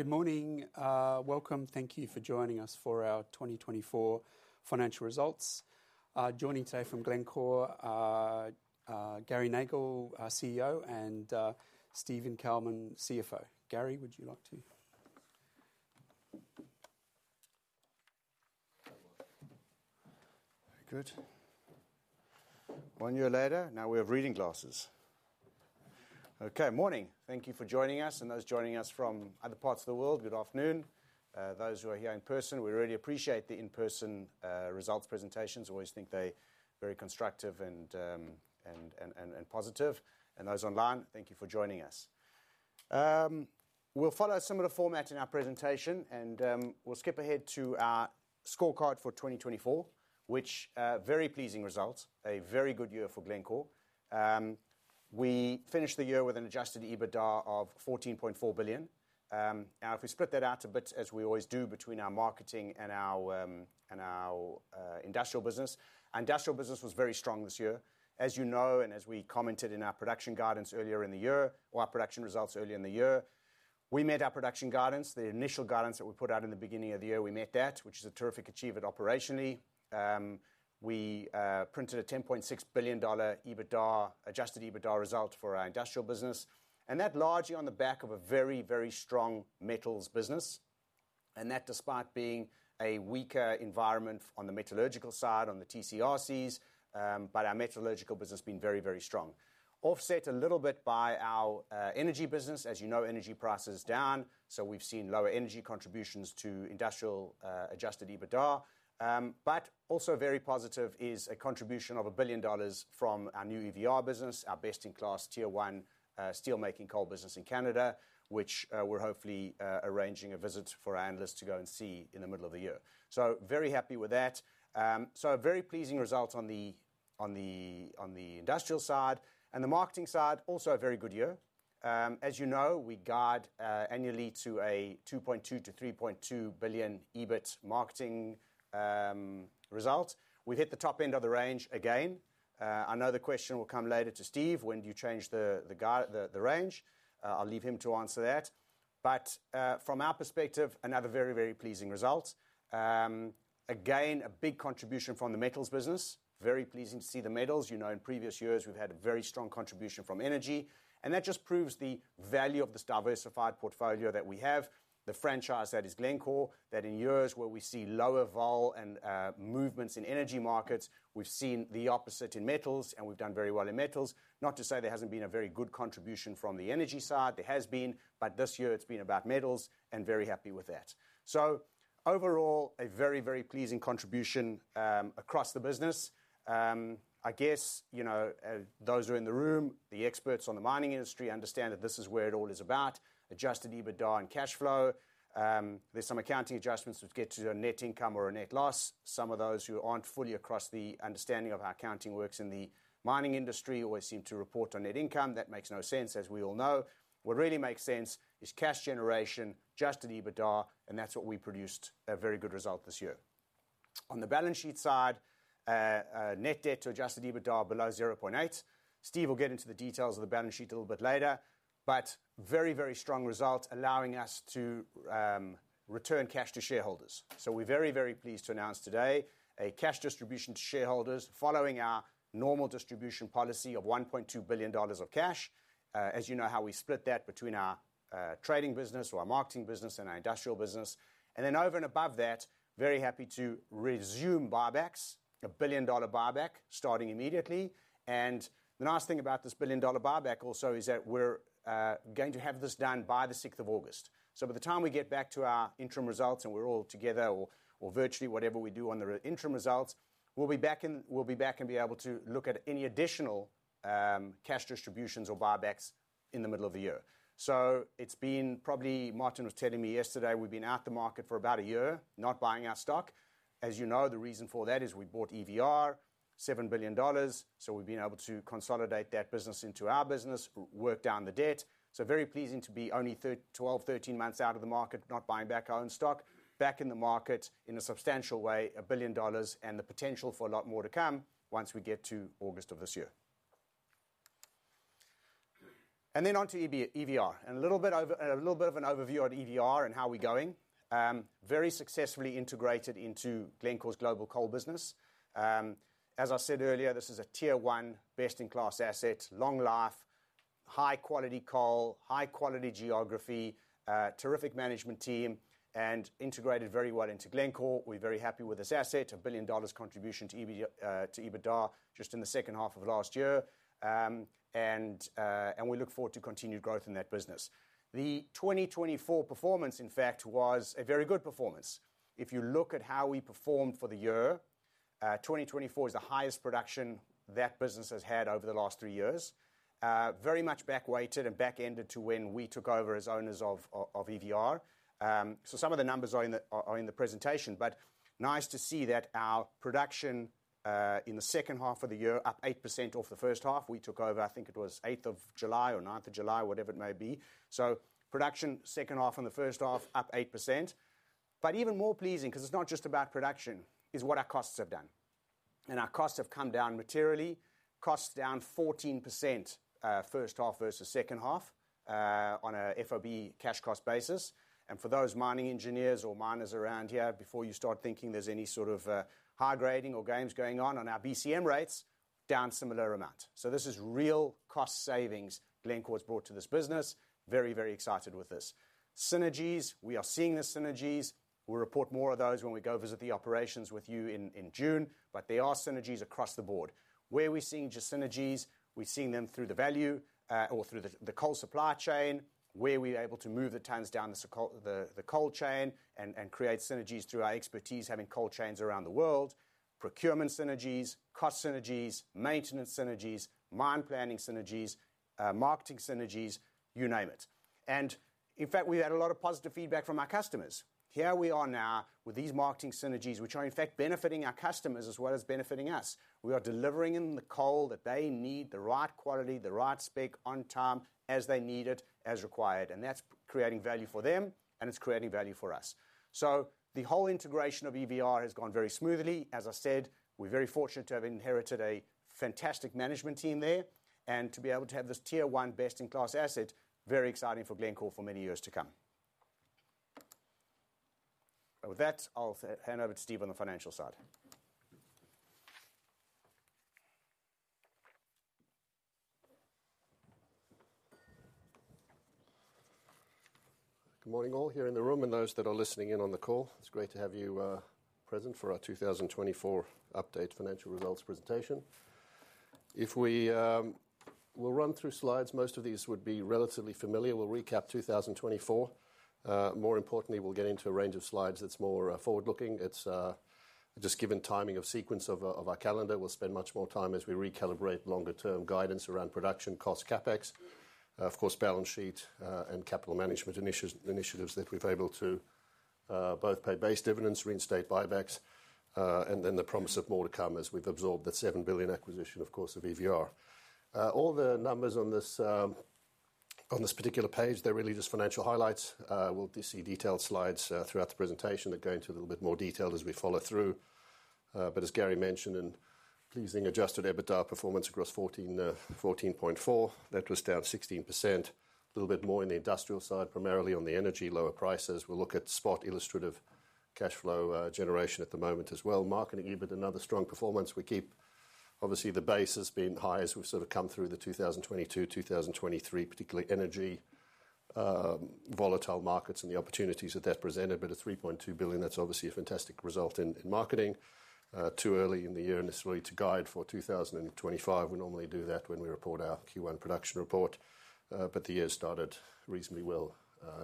Good morning. Welcome. Thank you for joining us for our 2024 financial results. Joining today from Glencore, Gary Nagle, CEO, and Steven Kalmin, CFO. Gary, would you like to? Very good. One year later, now we have reading glasses. Okay. Good morning. Thank you for joining us and those joining us from other parts of the world. Good afternoon. Those who are here in person, we really appreciate the in-person results presentations. We always think they're very constructive and positive, and those online, thank you for joining us. We'll follow a similar format in our presentation, and we'll skip ahead to our scorecard for 2024, which is very pleasing results. A very good year for Glencore. We finished the year with an Adjusted EBITDA of $14.4 billion. Now, if we split that out a bit, as we always do, between our marketing and our industrial business, industrial business was very strong this year. As you know, and as we commented in our production guidance earlier in the year, or our production results earlier in the year, we met our production guidance, the initial guidance that we put out in the beginning of the year. We met that, which is a terrific achievement operationally. We printed a $10.6 billion Adjusted EBITDA result for our industrial business, and that largely on the back of a very, very strong metals business, and that despite being a weaker environment on the metallurgical side, on the TC/RCs, but our metallurgical business has been very, very strong. Offset a little bit by our energy business. As you know, energy prices are down, so we've seen lower energy contributions to industrial Adjusted EBITDA. But also very positive is a contribution of $1 billion from our new EVR business, our best-in-class Tier-one steelmaking coal business in Canada, which we're hopefully arranging a visit for our analysts to go and see in the middle of the year. So very happy with that. So a very pleasing result on the industrial side. And the marketing side, also a very good year. As you know, we guide annually to a $2.2 billion-$3.2 billion EBIT marketing result. We've hit the top end of the range again. I know the question will come later to Steve, "When do you change the range?" I'll leave him to answer that. But from our perspective, another very, very pleasing result. Again, a big contribution from the metals business. Very pleasing to see the metals. You know, in previous years, we've had a very strong contribution from energy. That just proves the value of this diversified portfolio that we have, the franchise that is Glencore, that in years where we see lower vol and movements in energy markets, we've seen the opposite in metals, and we've done very well in metals. Not to say there hasn't been a very good contribution from the energy side. There has been, but this year it's been about metals, and very happy with that. So overall, a very, very pleasing contribution across the business. I guess, you know, those who are in the room, the experts on the mining industry understand that this is where it all is about, adjusted EBITDA and cash flow. There's some accounting adjustments which get to a net income or a net loss. Some of those who aren't fully across the understanding of how accounting works in the mining industry always seem to report on net income. That makes no sense, as we all know. What really makes sense is cash generation, Adjusted EBITDA, and that's what we produced a very good result this year. On the balance sheet side, net debt to Adjusted EBITDA below 0.8. Steve will get into the details of the balance sheet a little bit later, but very, very strong result, allowing us to return cash to shareholders. We're very, very pleased to announce today a cash distribution to shareholders following our normal distribution policy of $1.2 billion of cash. As you know how we split that between our trading business, our marketing business, and our industrial business. Then over and above that, very happy to resume buybacks, a $1 billion buyback starting immediately. The nice thing about this billion-dollar buyback also is that we're going to have this done by the 6th of August. By the time we get back to our interim results and we're all together, or virtually whatever we do on the interim results, we'll be back and be able to look at any additional cash distributions or buybacks in the middle of the year. It's been probably, Martin was telling me yesterday, we've been out of the market for about a year, not buying our stock. As you know, the reason for that is we bought EVR, $7 billion. We've been able to consolidate that business into our business, work down the debt. Very pleasing to be only 12-13 months out of the market, not buying back our own stock. Back in the market in a substantial way, $1 billion, and the potential for a lot more to come once we get to August of this year, and then on to EVR, and a little bit of an overview on EVR and how we're going. Very successfully integrated into Glencore's global coal business. As I said earlier, this is a Tier 1, best-in-class asset, long life, high-quality coal, high-quality geography, terrific management team, and integrated very well into Glencore. We're very happy with this asset, a $1 billion contribution to EBITDA just in the second half of last year, and we look forward to continued growth in that business. The 2024 performance, in fact, was a very good performance. If you look at how we performed for the year, 2024 is the highest production that business has had over the last three years. Very much backweighted and back-ended to when we took over as owners of EVR. So some of the numbers are in the presentation, but nice to see that our production in the second half of the year, up 8% off the first half. We took over, I think it was 8th of July or 9th of July, whatever it may be. So production, second half and the first half, up 8%. But even more pleasing, because it's not just about production, is what our costs have done. And our costs have come down materially. Costs down 14% first half versus second half on an FOB cash cost basis. And for those mining engineers or miners around here, before you start thinking there's any sort of high grading or games going on, on our BCM rates, down similar amount. So this is real cost savings Glencore has brought to this business. Very, very excited with this. Synergies, we are seeing the synergies. We'll report more of those when we go visit the operations with you in June, but they are synergies across the board. Where we're seeing just synergies, we're seeing them through the value chain or through the coal supply chain, where we're able to move the tons down the coal chain and create synergies through our expertise having coal chains around the world, procurement synergies, cost synergies, maintenance synergies, mine planning synergies, marketing synergies, you name it, and in fact, we've had a lot of positive feedback from our customers. Here we are now with these marketing synergies, which are in fact benefiting our customers as well as benefiting us. We are delivering them the coal that they need, the right quality, the right spec on time as they need it, as required. And that's creating value for them, and it's creating value for us. So the whole integration of EVR has gone very smoothly. As I said, we're very fortunate to have inherited a fantastic management team there. And to be able to have this Tier 1, best-in-class asset. Very exciting for Glencore for many years to come. With that, I'll hand over to Steve on the financial side. Good morning all here in the room and those that are listening in on the call. It's great to have you present for our 2024 update financial results presentation. If we will run through slides, most of these would be relatively familiar. We'll recap 2024. More importantly, we'll get into a range of slides that's more forward-looking. It's just given timing of sequence of our calendar, we'll spend much more time as we recalibrate longer-term guidance around production, cost CapEx, of course, balance sheet and capital management initiatives that we've able to both pay base dividends, reinstate buybacks, and then the promise of more to come as we've absorbed the $7 billion acquisition, of course, of EVR. All the numbers on this particular page, they're really just financial highlights. We'll see detailed slides throughout the presentation that go into a little bit more detail as we follow through. But as Gary mentioned, pleasing Adjusted EBITDA performance across $14.4. That was down 16%. A little bit more in the industrial side, primarily on the energy, lower prices. We'll look at spot illustrative cash flow generation at the moment as well. Marketing EBIT, another strong performance. We keep, obviously, the base has been high as we've sort of come through the 2022, 2023, particularly energy, volatile markets and the opportunities that that presented. But a $3.2 billion, that's obviously a fantastic result in marketing. Too early in the year necessarily to guide for 2025. We normally do that when we report our Q1 production report. But the year started reasonably well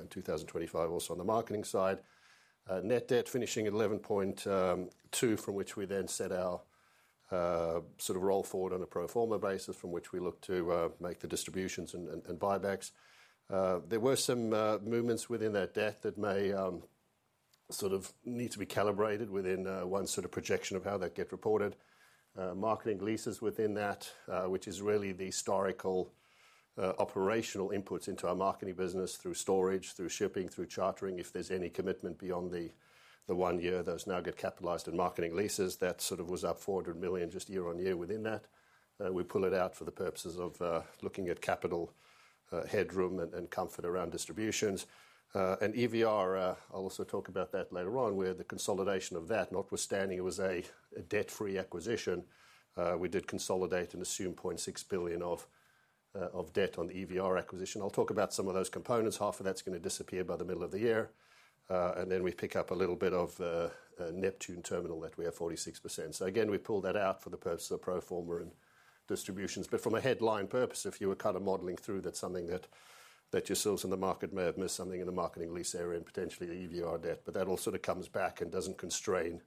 in 2025, also on the marketing side. Net debt finishing at $11.2, from which we then set our sort of roll forward on a pro forma basis, from which we look to make the distributions and buybacks. There were some movements within that debt that may sort of need to be calibrated within one's sort of projection of how that gets reported. Marketing leases within that, which is really the historical operational inputs into our marketing business through storage, through shipping, through chartering. If there's any commitment beyond the one year, those now get capitalized in marketing leases. That sort of was up $400 million just year-on-year within that. We pull it out for the purposes of looking at capital headroom and comfort around distributions. EVR, I'll also talk about that later on, where the consolidation of that, notwithstanding it was a debt-free acquisition, we did consolidate and assume $0.6 billion of debt on the EVR acquisition. I'll talk about some of those components. $0.3 billion of that is going to disappear by the middle of the year. And then we pick up a little bit of Neptune terminal debt. We have 46%. So again, we pull that out for the purpose of pro forma and distributions. But from a headline purpose, if you were kind of modeling through, that's something that your sales in the market may have missed, something in the marketing lease area and potentially the EVR debt. But that all sort of comes back and doesn't constrain.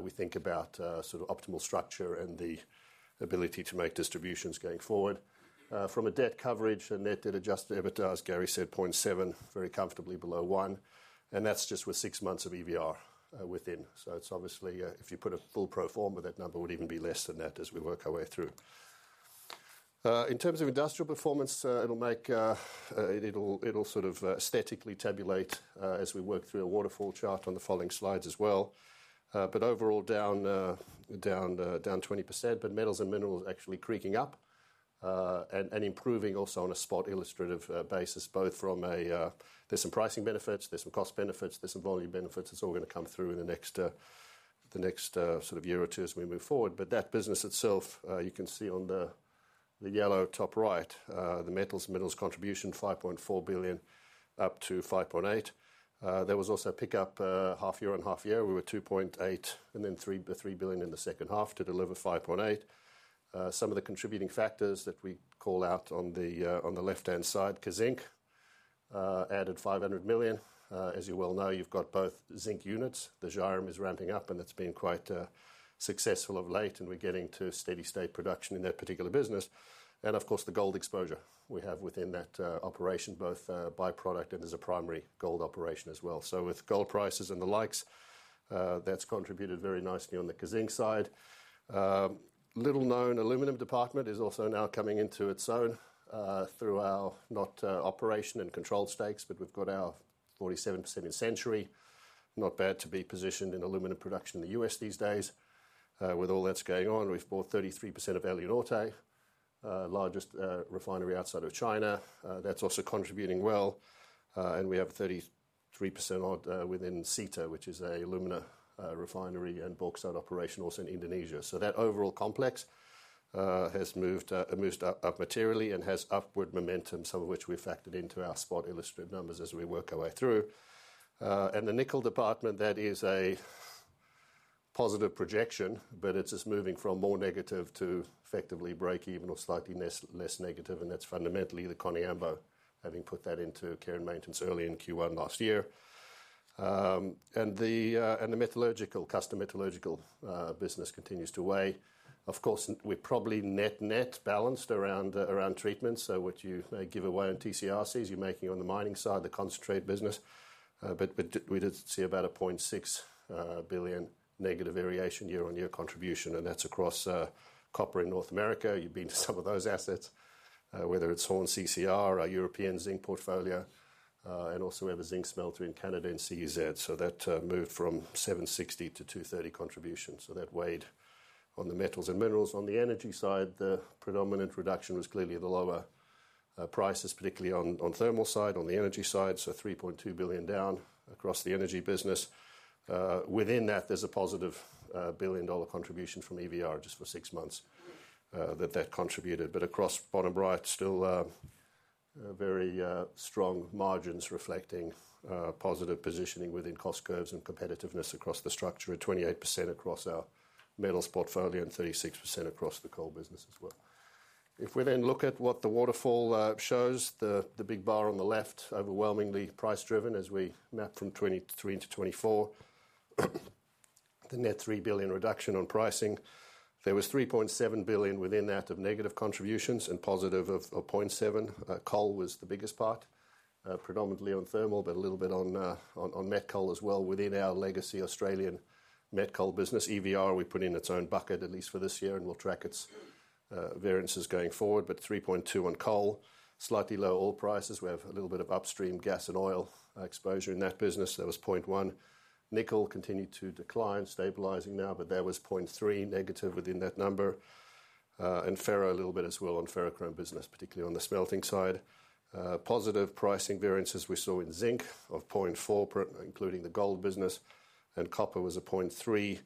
We think about sort of optimal structure and the ability to make distributions going forward. From a debt coverage, a net debt adjusted EBITDA is, Gary said, 0.7, very comfortably below one. And that's just with six months of EVR within. So it's obviously, if you put a full pro forma, that number would even be less than that as we work our way through. In terms of industrial performance, it'll sort of statically tabulate as we work through a waterfall chart on the following slides as well. But overall, down 20%, but metals and minerals actually creeping up and improving also on a spot illustrative basis, both from a, there's some pricing benefits, there's some cost benefits, there's some volume benefits. It's all going to come through in the next sort of year or two as we move forward. But that business itself, you can see on the yellow top right, the metals and minerals contribution, $5.4 billion up to $5.8 billion. There was also a pickup half year on half year. We were $2.8 billion and then $3 billion in the second half to deliver $5.8 billion. Some of the contributing factors that we call out on the left-hand side, Kazzinc added $500 million. As you well know, you've got both zinc units. The Zhairem is ramping up, and that's been quite successful of late, and we're getting to steady-state production in that particular business, and of course, the gold exposure we have within that operation, both byproduct and as a primary gold operation as well, so with gold prices and the likes, that's contributed very nicely on the Kazzinc side. The little-known aluminum department is also now coming into its own through our non-operating and controlling stakes, but we've got our 47% in Century. Not bad to be positioned in aluminum production in the U.S. these days. With all that's going on, we've bought 33% of Alouette, largest refinery outside of China. That's also contributing well, and we have 33% within Cita, which is an alumina refinery and bauxite operation also in Indonesia. So that overall complex has moved up materially and has upward momentum, some of which we've factored into our spot illustrative numbers as we work our way through. And the nickel department, that is a positive projection, but it's just moving from more negative to effectively break even or slightly less negative. And that's fundamentally the Koniambo having put that into care and maintenance early in Q1 last year. And the metallurgical, custom metallurgical business continues to weigh. Of course, we're probably net-net balanced around treatments. So what you give away on TCRCs, you're making on the mining side, the concentrate business. But we did see about a $0.6 billion negative variation year-on-year contribution. And that's across copper in North America. You've been to some of those assets, whether it's Horne, CCR, our European zinc portfolio, and also we have a zinc smelter in Canada in CEZ. So that moved from $760 to $230 contribution. So that weighed on the metals and minerals. On the energy side, the predominant reduction was clearly the lower prices, particularly on the thermal side, on the energy side. So $3.2 billion down across the energy business. Within that, there's a positive billion-dollar contribution from EVR just for six months that contributed. But across bottom right, still very strong margins reflecting positive positioning within cost curves and competitiveness across the structure at 28% across our metals portfolio and 36% across the coal business as well. If we then look at what the waterfall shows, the big bar on the left, overwhelmingly price-driven as we map from 2023 into 2024, the net $3 billion reduction on pricing. There was $3.7 billion within that of negative contributions and positive of $0.7 billion. Coal was the biggest part, predominantly on thermal, but a little bit on metcoal as well within our legacy Australian metcoal business. EVR, we put in its own bucket, at least for this year, and we'll track its variances going forward. But $3.2 on coal, slightly low oil prices. We have a little bit of upstream gas and oil exposure in that business. There was $0.1. Nickel continued to decline, stabilizing now, but there was $0.3 negative within that number. And ferro a little bit as well on ferrochrome business, particularly on the smelting side. Positive pricing variances we saw in zinc of $0.4, including the gold business. And copper was a $0.3,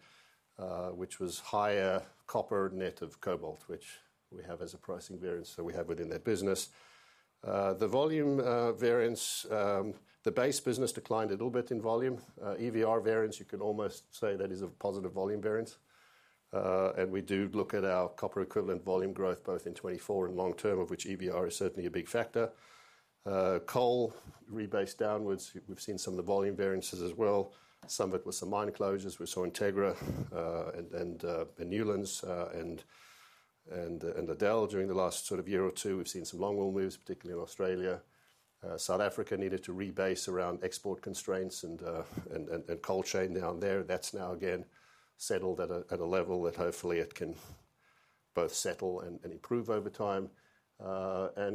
which was higher copper net of cobalt, which we have as a pricing variance that we have within that business. The volume variance, the base business declined a little bit in volume. EVR variance, you can almost say that is a positive volume variance. We do look at our copper equivalent volume growth both in 2024 and long term, of which EVR is certainly a big factor. Coal, rebase downwards. We've seen some of the volume variances as well. Some of it was some mine closures. We saw Integra and Newlands and Liddell during the last sort of year or two. We've seen some long-haul moves, particularly in Australia. South Africa needed to rebase around export constraints and coal chain down there. That's now again settled at a level that hopefully it can both settle and improve over time.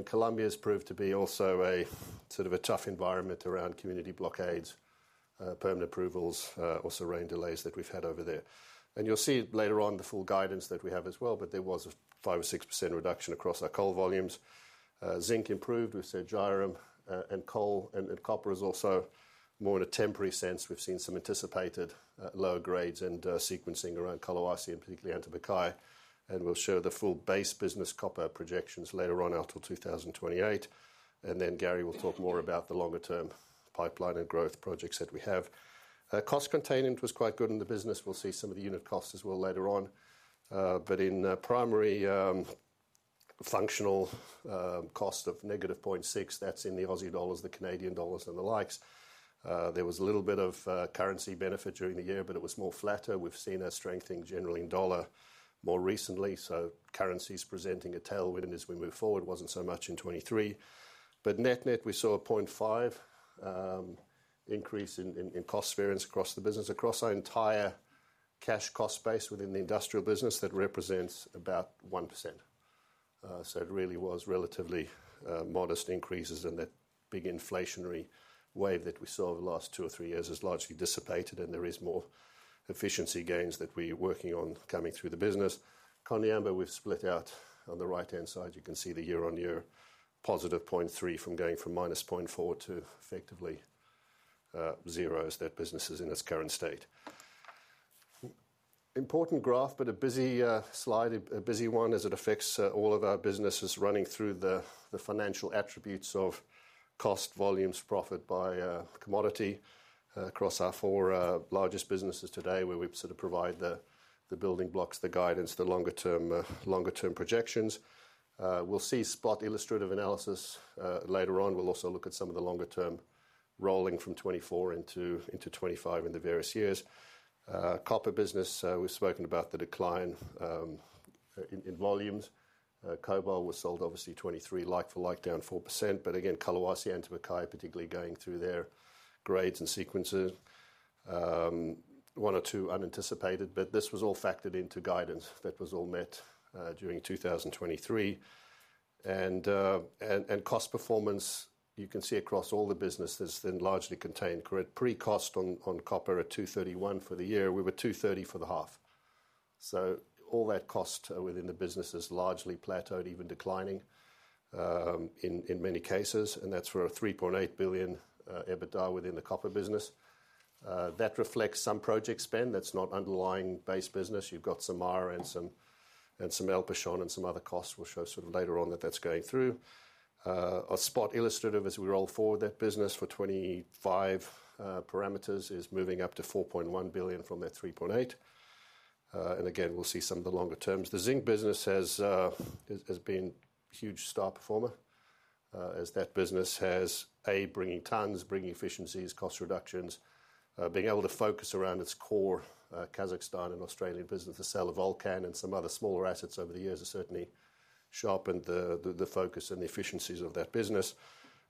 Colombia has proved to be also a sort of a tough environment around community blockades, permanent approvals, also rain delays that we've had over there. You'll see later on the full guidance that we have as well, but there was a 5% or 6% reduction across our coal volumes. Zinc improved. We've said lower in coal and copper is also more in a temporary sense. We've seen some anticipated lower grades and sequencing around Collahuasi, particularly Antapaccay. We'll show the full base business copper projections later on out to 2028. Then Gary will talk more about the longer-term pipeline and growth projects that we have. Cost containment was quite good in the business. We'll see some of the unit costs as well later on. But in primary functional cost of negative $0.6, that's in the Aussie dollars, the Canadian dollars, and the likes. There was a little bit of currency benefit during the year, but it was more flatter. We've seen a strengthening generally in dollar more recently. So, currencies presenting a tailwind as we move forward wasn't so much in 2023. But net net, we saw a $0.5 increase in cost variance across the business, across our entire cash cost base within the industrial business that represents about 1%. So it really was relatively modest increases and that big inflationary wave that we saw over the last two or three years has largely dissipated. And there is more efficiency gains that we're working on coming through the business. Koniambo, we've split out on the right-hand side. You can see the year-on-year positive $0.3 from going from minus $0.4 to effectively zero as that business is in its current state. Important graph, but a busy slide, a busy one as it affects all of our businesses running through the financial attributes of cost, volumes, profit by commodity across our four largest businesses today, where we sort of provide the building blocks, the guidance, the longer-term projections. We'll see spot illustrative analysis later on. We'll also look at some of the longer-term rolling from 2024 into 2025 in the various years. Copper business, we've spoken about the decline in volumes. Cobalt was sold obviously 2023, like for like, down 4%. But again, Collahuasi, Antapaccay, particularly going through their grades and sequences, one or two unanticipated. But this was all factored into guidance that was all met during 2023. Cost performance, you can see across all the businesses then largely contained C1 cost on copper at $231 for the year. We were $230 for the half. All that cost within the business has largely plateaued, even declining in many cases. That's for a $3.8 billion EBITDA within the copper business. That reflects some project spend. That's not underlying base business. You've got some MARA and some Alumbrera and some other costs. We'll show sort of later on that that's going through. Our spot illustrative, as we roll forward that business for 2025, parameters is moving up to $4.1 billion from that $3.8. Again, we'll see some of the longer terms. The zinc business has been a huge star performer as that business has, A, bringing tons, bringing efficiencies, cost reductions, being able to focus around its core Kazakhstan and Australian business. The sale of Volcan and some other smaller assets over the years has certainly sharpened the focus and the efficiencies of that business.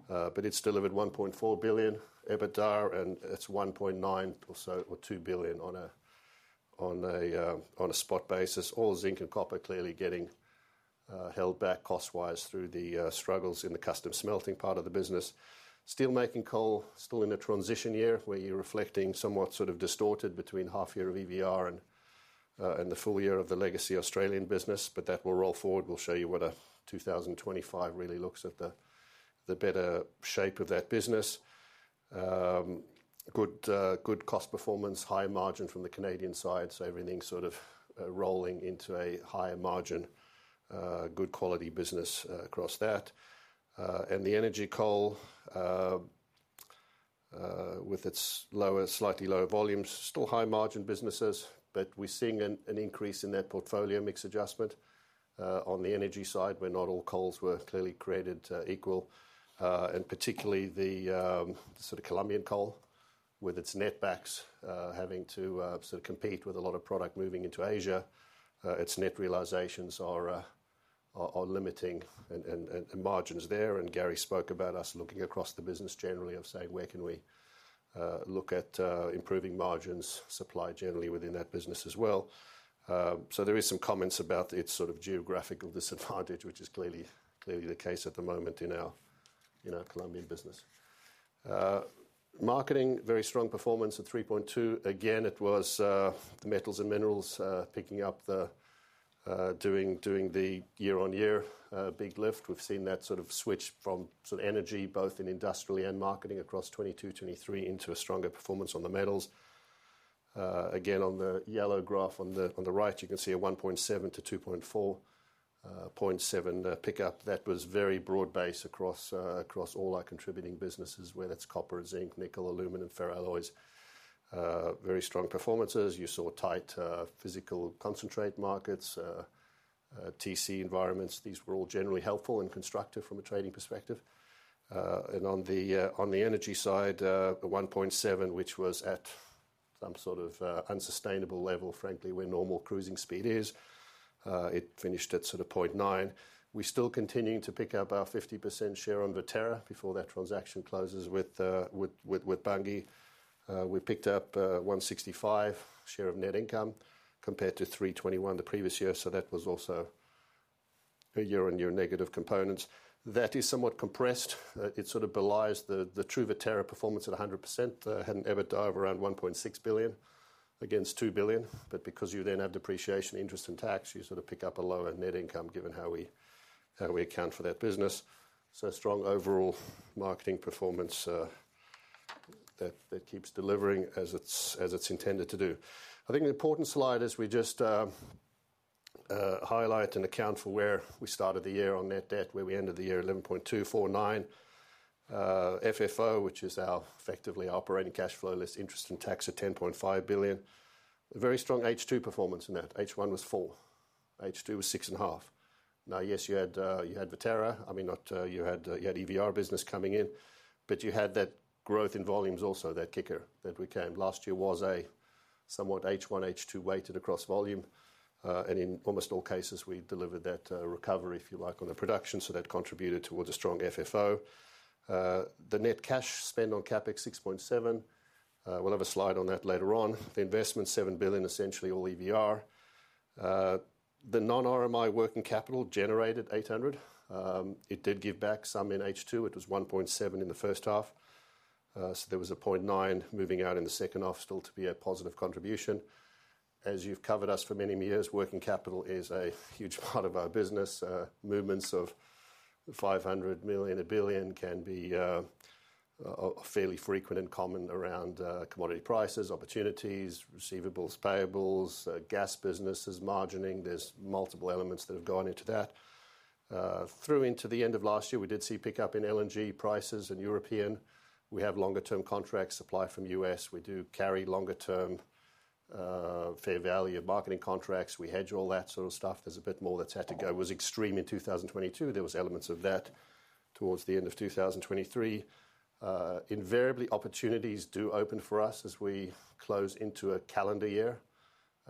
But it's delivered $1.4 billion EBITDA and it's $1.9 or so or $2 billion on a spot basis. All zinc and copper clearly getting held back cost-wise through the struggles in the custom smelting part of the business. Steelmaking coal, still in a transition year where you're reflecting somewhat sort of distorted between half year of EVR and the full year of the legacy Australian business. But that will roll forward. We'll show you what a 2025 really looks like the better shape of that business. Good cost performance, high margin from the Canadian side. So everything's sort of rolling into a higher margin, good quality business across that. And the energy coal with its lower, slightly lower volumes, still high margin businesses. But we're seeing an increase in that portfolio mix adjustment on the energy side. We're not all coals were clearly created equal. Particularly the sort of Colombian coal with its netbacks having to sort of compete with a lot of product moving into Asia. Its net realizations are limiting and margins there. Gary spoke about us looking across the business generally of saying, where can we look at improving margins supply generally within that business as well. So there are some comments about its sort of geographical disadvantage, which is clearly the case at the moment in our Colombian business. Marketing, very strong performance at $3.2. Again, it was the metals and minerals picking up the doing the year-on-year big lift. We've seen that sort of switch from sort of energy both in industrial and marketing across 2022, 2023 into a stronger performance on the metals. Again, on the yellow graph on the right, you can see a $1.7-$2.47 pickup. That was very broad base across all our contributing businesses, whether it's copper, zinc, nickel, aluminum, ferroalloys. Very strong performances. You saw tight physical concentrate markets, TC environments. These were all generally helpful and constructive from a trading perspective. And on the energy side, $1.7, which was at some sort of unsustainable level, frankly, where normal cruising speed is, it finished at sort of $0.9. We're still continuing to pick up our 50% share on Viterra before that transaction closes with Bunge. We picked up $165 share of net income compared to $321 the previous year. So that was also a year-on-year negative components. That is somewhat compressed. It sort of belies the true Viterra performance at 100%. Had an EBITDA of around $1.6 billion against $2 billion. But because you then have depreciation, interest, and tax, you sort of pick up a lower net income given how we account for that business. So strong overall marketing performance that keeps delivering as it's intended to do. I think an important slide as we just highlight and account for where we started the year on net debt, where we ended the year at $11.2 billion. FFO, which is our effectively operating cash flow less interest and tax at $10.5 billion. A very strong H2 performance in that. H1 was $4 billion. H2 was $6.5 billion. Now, yes, you had Viterra. I mean, you had EVR business coming in, but you had that growth in volumes also, that kicker that we came. Last year was a somewhat H1, H2 weighted across volume. And in almost all cases, we delivered that recovery, if you like, on the production. So that contributed towards a strong FFO. The net cash spend on CapEx, $6.7. We'll have a slide on that later on. The investment, $7 billion, essentially all EVR. The non-RMI working capital generated $800. It did give back some in H2. It was $1.7 in the first half. So there was a $0.9 moving out in the second half still to be a positive contribution. As you've covered us for many years, working capital is a huge part of our business. Movements of $500 million, a billion can be fairly frequent and common around commodity prices, opportunities, receivables, payables, gas businesses, margining. There's multiple elements that have gone into that. Through into the end of last year, we did see pickup in LNG prices and European. We have longer-term contracts supply from the U.S. We do carry longer-term fair value of marketing contracts. We hedge all that sort of stuff. There's a bit more that's had to go. It was extreme in 2022. There were elements of that towards the end of 2023. Invariably, opportunities do open for us as we close into a calendar year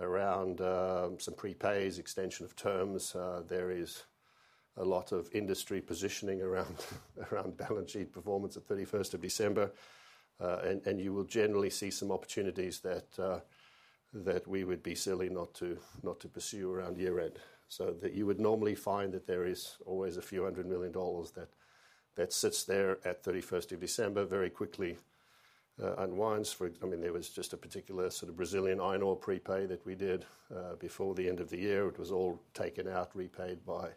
around some prepays, extension of terms. There is a lot of industry positioning around LNG performance at 31st of December, and you will generally see some opportunities that we would be silly not to pursue around year-end, so that you would normally find that there is always a few hundred million dollars that sits there at 31st of December, very quickly unwinds. I mean, there was just a particular sort of Brazilian iron ore prepay that we did before the end of the year. It was all taken out, repaid by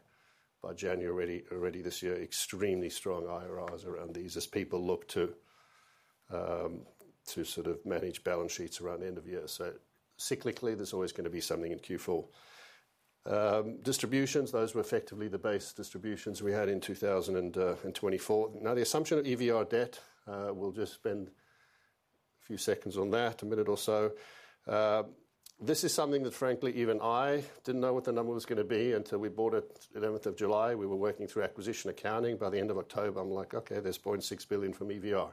January already this year. Extremely strong IRRs around these as people look to sort of manage balance sheets around the end of the year. So cyclically, there's always going to be something in Q4. Distributions, those were effectively the base distributions we had in 2024. Now, the assumption of EVR debt, we'll just spend a few seconds on that, a minute or so. This is something that frankly, even I didn't know what the number was going to be until we bought it 11th of July. We were working through acquisition accounting by the end of October. I'm like, okay, there's $0.6 billion from EVR.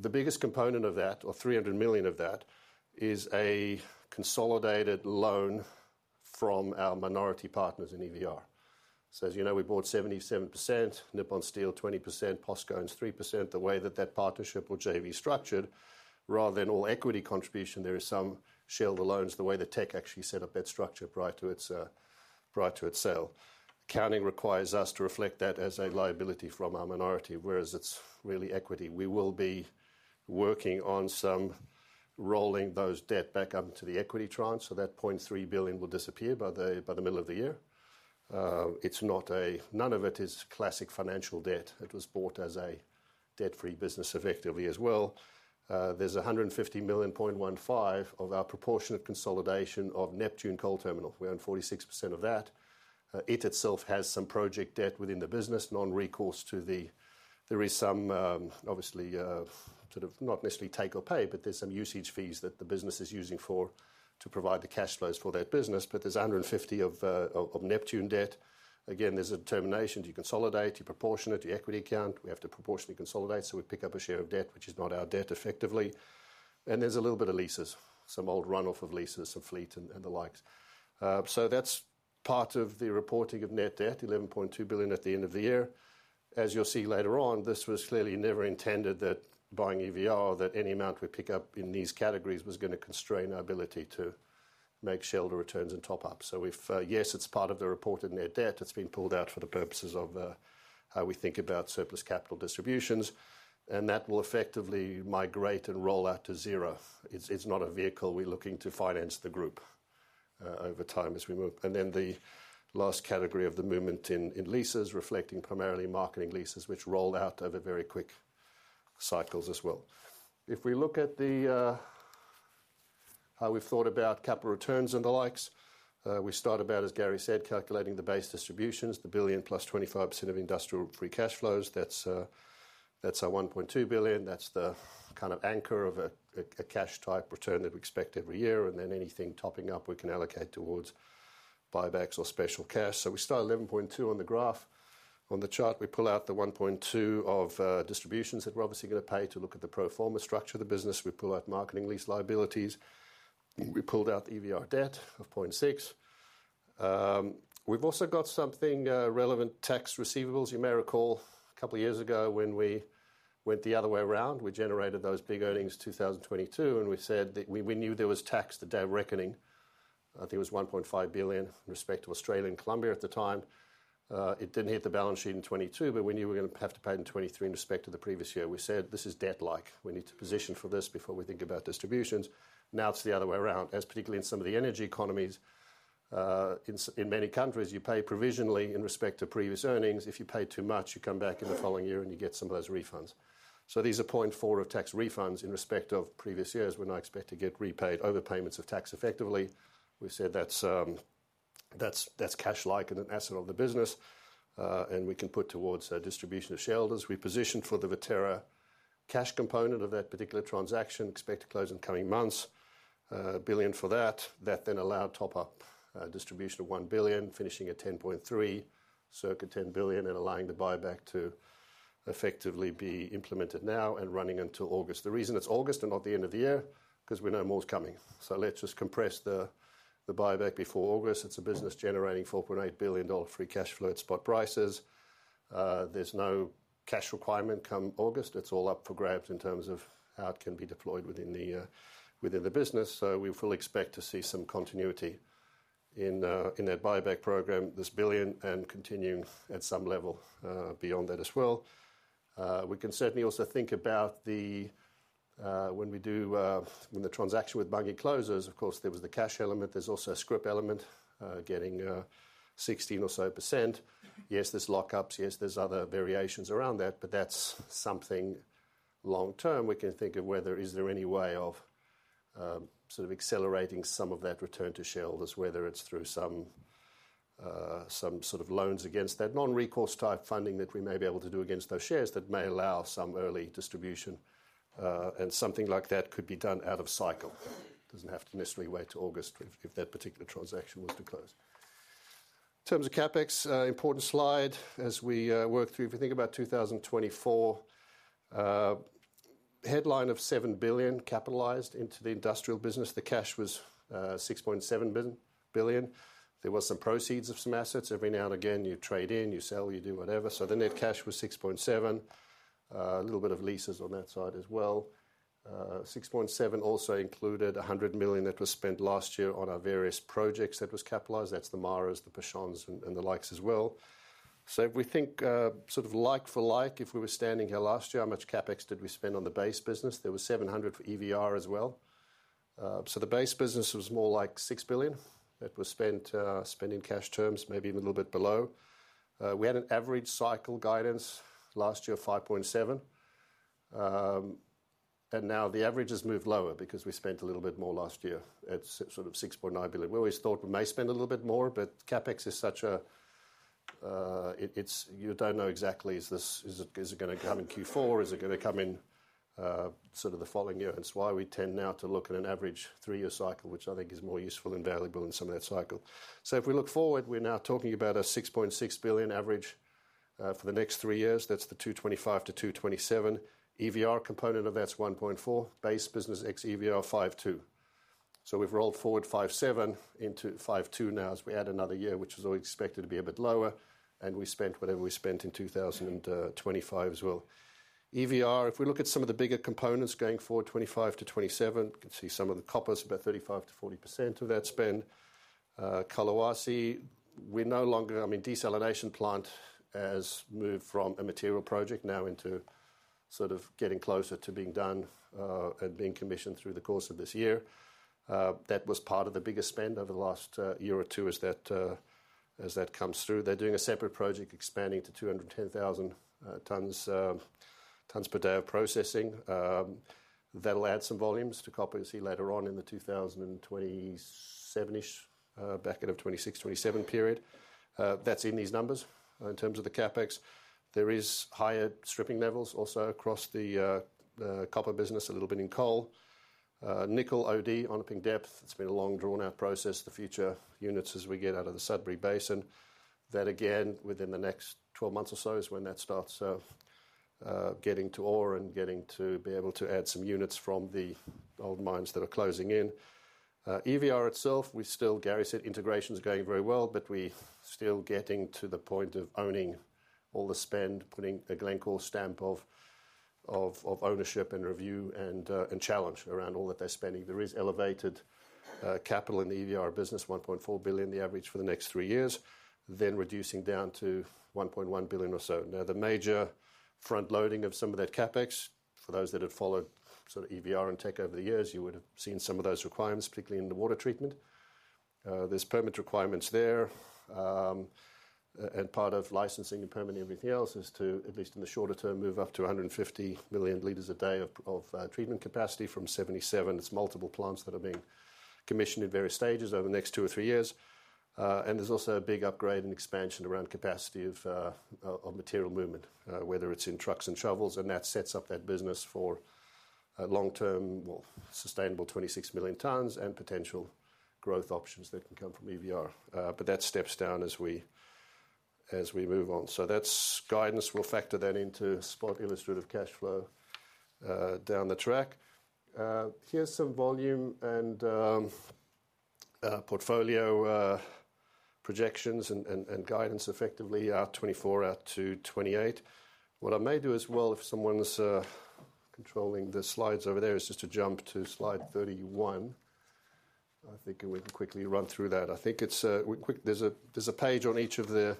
The biggest component of that, or $300 million of that, is a consolidated loan from our minority partners in EVR. So as you know, we bought 77%, Nippon Steel 20%, POSCO 3%. The way that the partnership with JV structured, rather than all equity contribution, there is some share of the loans the way Teck actually set up that structure prior to its sale. Accounting requires us to reflect that as a liability from our minority, whereas it's really equity. We will be working on some rolling those debt back up into the equity tranche so that $0.3 billion will disappear by the middle of the year. It's not; none of it is classic financial debt. It was bought as a debt-free business effectively as well. There's $150 million, $0.15 of our proportionate consolidation of Neptune Coal Terminal. We own 46% of that. It itself has some project debt within the business, non-recourse to the group. There is some obviously sort of not necessarily take or pay, but there's some usage fees that the business is using for to provide the cash flows for that business. But there's $150 of Neptune debt. Again, there's a termination. You consolidate, you proportion it, you equity account. We have to proportionally consolidate. So we pick up a share of debt, which is not our debt effectively. And there's a little bit of leases, some old runoff of leases, some fleet and the like. So that's part of the reporting of net debt, $11.2 billion at the end of the year. As you'll see later on, this was clearly never intended that buying EVR, that any amount we pick up in these categories was going to constrain our ability to make shareholder returns and top up. So if yes, it's part of the reported net debt. It's been pulled out for the purposes of how we think about surplus capital distributions. And that will effectively migrate and roll out to zero. It's not a vehicle we're looking to finance the group over time as we move. And then the last category of the movement in leases reflecting primarily marketing leases, which roll out over very quick cycles as well. If we look at how we've thought about capital returns and the likes, we start about, as Gary said, calculating the base distributions, the billion plus 25% of industrial free cash flows. That's our $1.2 billion. That's the kind of anchor of a cash type return that we expect every year. And then anything topping up, we can allocate towards buybacks or special cash. So we start $11.2 on the graph. On the chart, we pull out the $1.2 of distributions that we're obviously going to pay to look at the pro forma structure of the business. We pull out marketing lease liabilities. We pulled out the EVR debt of $0.6. We've also got some relevant tax receivables. You may recall a couple of years ago when we went the other way around. We generated those big earnings in 2022, and we said that we knew there was tax to day of reckoning. I think it was $1.5 billion in respect to Australia and Colombia at the time. It didn't hit the balance sheet in 2022, but we knew we were going to have to pay it in 2023 in respect to the previous year. We said, this is debt-like. We need to position for this before we think about distributions. Now it's the other way around, as particularly in some of the energy economies. In many countries, you pay provisionally in respect to previous earnings. If you pay too much, you come back in the following year and you get some of those refunds, so these are $0.4 billion of tax refunds in respect of previous years. We're now expected to get repaid overpayments of tax effectively. We said that's cash-like and an asset of the business, and we can put towards distribution of shareholders. We positioned for the Viterra cash component of that particular transaction, expect to close in coming months, a billion for that. That then allowed top-up distribution of $1 billion, finishing at $10.3 billion, circa $10 billion, and allowing the buyback to effectively be implemented now and running until August. The reason it's August and not the end of the year is because we know more is coming. So let's just complete the buyback before August. It's a business generating $4.8 billion free cash flow at spot prices. There's no cash requirement come August. It's all up for grabs in terms of how it can be deployed within the business. We will expect to see some continuity in that buyback program, this $1 billion, and continuing at some level beyond that as well. We can certainly also think about when the transaction with Bunge closes, of course, there was the cash element. There's also a scrip element getting 16% or so. Yes, there's lockups. Yes, there's other variations around that, but that's something long-term. We can think of whether there is any way of sort of accelerating some of that return to shareholders, whether it's through some sort of loans against that non-recourse type funding that we may be able to do against those shares that may allow some early distribution, and something like that could be done out of cycle. It doesn't have to necessarily wait to August if that particular transaction was to close. In terms of CapEx, important slide as we work through. If you think about 2024, headline of $7 billion capitalized into the industrial business. The cash was $6.7 billion. There were some proceeds of some assets. Every now and again, you trade in, you sell, you do whatever. So then that cash was $6.7 billion. A little bit of leases on that side as well. $6.7 billion also included $100 million that was spent last year on our various projects that was capitalized. That's the MARA, the El Pachón, and the likes as well. So we think sort of like for like, if we were standing here last year, how much CapEx did we spend on the base business? There was $700 million for EVR as well. So the base business was more like $6 billion that was spent spending cash terms, maybe a little bit below. We had an average cycle guidance last year of $5.7 billion. And now the average has moved lower because we spent a little bit more last year at sort of $6.9 billion. We always thought we may spend a little bit more, but CapEx is such a you don't know exactly is this is it going to come in Q4? Is it going to come in sort of the following year? And that's why we tend now to look at an average three-year cycle, which I think is more useful and valuable in some of that cycle. So if we look forward, we're now talking about a $6.6 billion average for the next three years. That's the $225-$227. EVR component of that's $1.4. Base business ex EVR $52. So we've rolled forward $57 into $52 now as we add another year, which was always expected to be a bit lower. And we spent whatever we spent in 2025 as well. EVR, if we look at some of the bigger components going forward 2025-2027, you can see some of the coppers, about 35%-40% of that spend. Collahuasi, we're no longer I mean, desalination plant has moved from a material project now into sort of getting closer to being done and being commissioned through the course of this year. That was part of the biggest spend over the last year or two as that comes through. They're doing a separate project expanding to 210,000 tons per day of processing. That'll add some volumes to copper you'll see later on in the 2027-ish back of 2026, 2027 period. That's in these numbers in terms of the CapEx. There is higher stripping levels also across the copper business, a little bit in coal. Nickel OD, Onaping Depth. It's been a long drawn-out process. The future units as we get out of the Sudbury Basin. That again, within the next 12 months or so is when that starts getting to ore and getting to be able to add some units from the old mines that are closing in. EVR itself, we still, Gary said, integration is going very well, but we're still getting to the point of owning all the spend, putting a Glencore stamp of ownership and review and challenge around all that they're spending. There is elevated capital in the EVR business, $1.4 billion the average for the next three years, then reducing down to $1.1 billion or so. Now, the major front loading of some of that CapEx, for those that have followed sort of EVR and Teck over the years, you would have seen some of those requirements, particularly in the water treatment. There's permit requirements there. Part of licensing and permitting everything else is to, at least in the shorter term, move up to 150 million liters a day of treatment capacity from 77. It's multiple plants that are being commissioned in various stages over the next two or three years. There's also a big upgrade and expansion around capacity of material movement, whether it's in trucks and shovels. That sets up that business for long-term, well, sustainable 26 million tons and potential growth options that can come from EVR. That steps down as we move on. That's guidance. We'll factor that into spot illustrative cash flow down the track. Here's some volume and portfolio projections and guidance effectively out 2024 out to 2028. What I may do as well, if someone's controlling the slides over there, is just to jump to Slide 31. I think we can quickly run through that. I think there's a page on each of the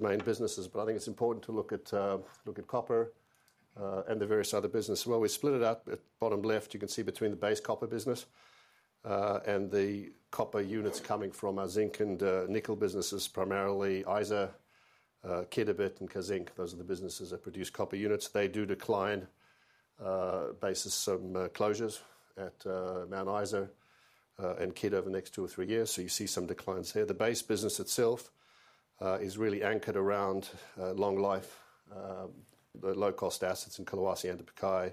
main businesses, but I think it's important to look at copper and the various other businesses. Well, we split it up at bottom left. You can see between the base copper business and the copper units coming from our zinc and nickel businesses, primarily Isa, Kidd, and Kazzinc. Those are the businesses that produce copper units. They do decline based on some closures at Mount Isa and Kidd over the next two or three years. So you see some declines there. The base business itself is really anchored around long life, the low-cost assets in Collahuasi, Antapaccay,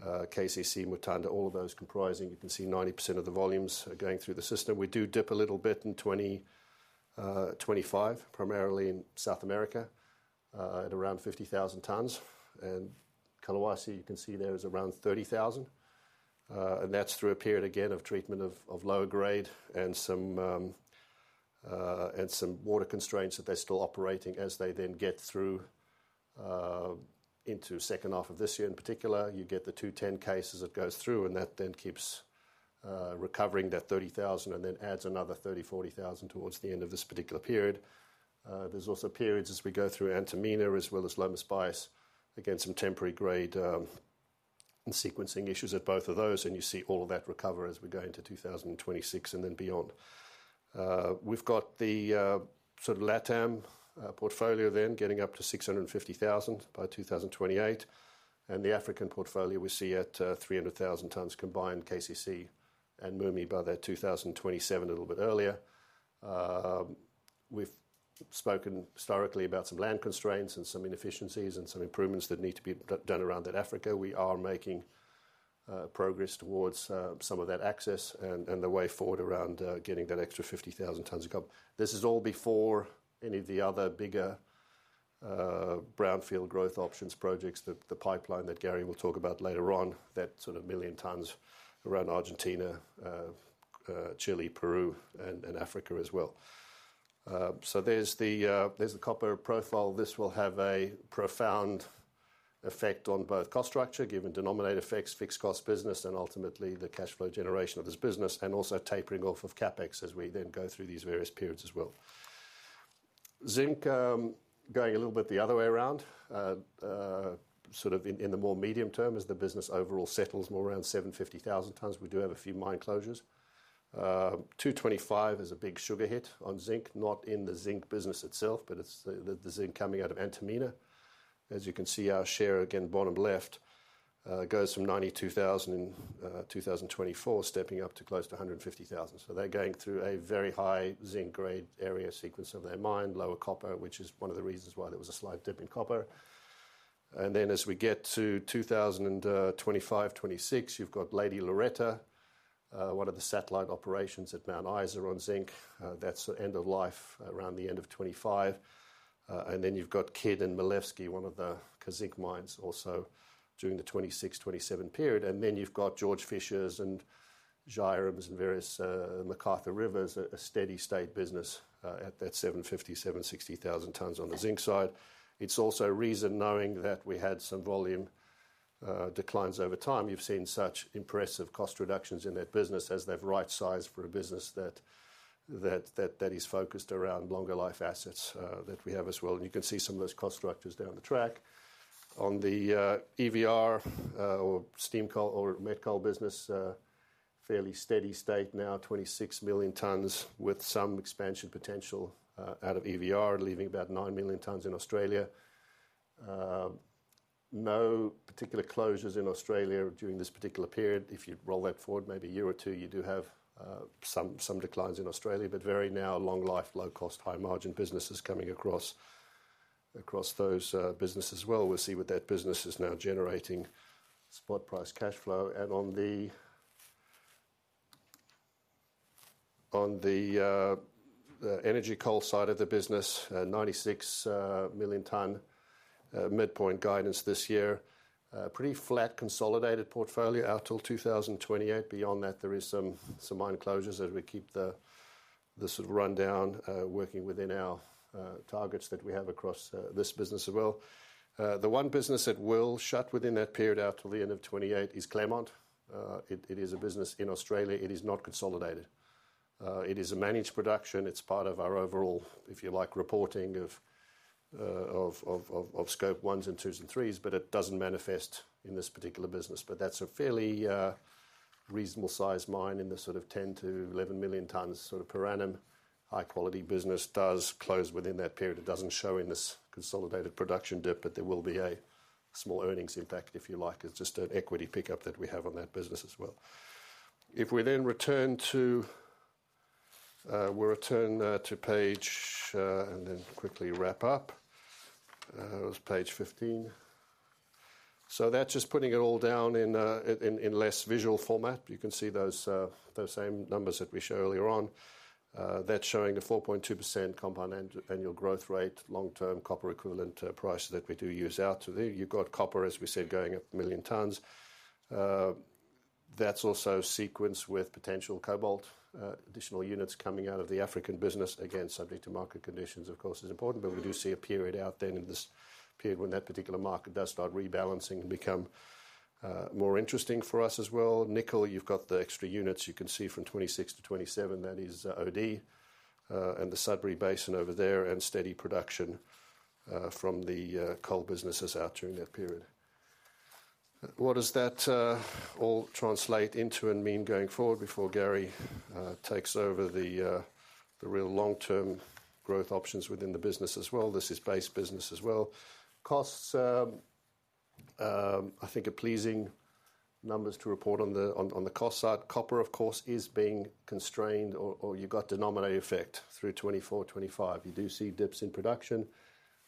KCC, Mutanda, all of those comprising. You can see 90% of the volumes are going through the system. We do dip a little bit in 2025, primarily in South America at around 50,000 tons. Collahuasi, you can see there is around 30,000. That's through a period again of treatment of lower grade and some water constraints that they're still operating as they then get through into second half of this year. In particular, you get the 210 Ks that go through, and that then keeps recovering that 30,000 and then adds another 30,000, 40,000 towards the end of this particular period. There's also periods as we go through Antamina as well as Lomas Bayas against some temporary grade and sequencing issues at both of those. You see all of that recover as we go into 2026 and then beyond. We've got the sort of LATAM portfolio then getting up to 650,000 by 2028. The African portfolio we see at 300,000 tons combined, KCC and MUMI by that 2027, a little bit earlier. We've spoken historically about some land constraints and some inefficiencies and some improvements that need to be done around that Africa. We are making progress towards some of that access and the way forward around getting that extra 50,000 tons of copper. This is all before any of the other bigger brownfield growth options projects, the pipeline that Gary will talk about later on, that sort of million tons around Argentina, Chile, Peru, and Africa as well. So there's the copper profile. This will have a profound effect on both cost structure given denominator effects, fixed cost business, and ultimately the cash flow generation of this business and also tapering off of CapEx as we then go through these various periods as well. Zinc going a little bit the other way around, sort of in the more medium term as the business overall settles more around 750,000 tons. We do have a few mine closures. 225 is a big surge hit on zinc, not in the zinc business itself, but it's the zinc coming out of Antamina. As you can see, our share again, bottom left goes from 92,000 in 2024, stepping up to close to 150,000. So they're going through a very high zinc grade area sequence of their mine, lower copper, which is one of the reasons why there was a slight dip in copper. Then as we get to 2025, 2026, you've got Lady Loretta, one of the satellite operations at Mount Isa on zinc. That's end of life around the end of 2025. Then you've got Kidd and Maleevsky, one of the Kazzinc mines also during the 2026, 2027 period. Then you've got George Fisher and Zhairem and various McArthur River, a steady state business at that 750,000, 760,000 tons on the zinc side. It's also reassuring knowing that we had some volume declines over time. You've seen such impressive cost reductions in that business as they've right-sized for a business that is focused around longer life assets that we have as well. And you can see some of those cost structures down the track. On the EVR or steam coal or met coal business, fairly steady state now, 26 million tons with some expansion potential out of EVR, leaving about 9 million tons in Australia. No particular closures in Australia during this particular period. If you roll that forward maybe a year or two, you do have some declines in Australia, but we have very long life, low cost, high margin businesses coming across those businesses as well. We'll see what that business is now generating spot price cash flow, and on the energy coal side of the business, 96 million ton midpoint guidance this year. Pretty flat consolidated portfolio out till 2028. Beyond that, there are some mine closures as we keep the sort of rundown working within our targets that we have across this business as well. The one business that will shut within that period out till the end of 2028 is Clermont. It is a business in Australia. It is not consolidated. It is a managed production. It's part of our overall, if you like, reporting of Scope 1, 2, and 3, but it doesn't manifest in this particular business. That's a fairly reasonable size mine in the sort of 10 to 11 million tons sort of per annum high quality business. It does close within that period. It doesn't show in this consolidated production dip, but there will be a small earnings impact, if you like. It's just an equity pickup that we have on that business as well. If we then return to page and then quickly wrap up. It was Page 15. That's just putting it all down in less visual format. You can see those same numbers that we showed earlier on. That's showing the 4.2% compound annual growth rate, long-term copper equivalent price that we do use out to there. You've got copper, as we said, going up a million tons. That's also sequenced with potential cobalt, additional units coming out of the African business. Again, subject to market conditions, of course, is important, but we do see a period out then in this period when that particular market does start rebalancing and become more interesting for us as well. Nickel, you've got the extra units you can see from 2026 to 2027. That is OD and the Sudbury Basin over there and steady production from the coal businesses out during that period. What does that all translate into and mean going forward before Gary takes over the real long-term growth options within the business as well? This is base business as well. Costs, I think, are pleasing numbers to report on the cost side. Copper, of course, is being constrained or you've got denominator effect through 2024, 2025. You do see dips in production,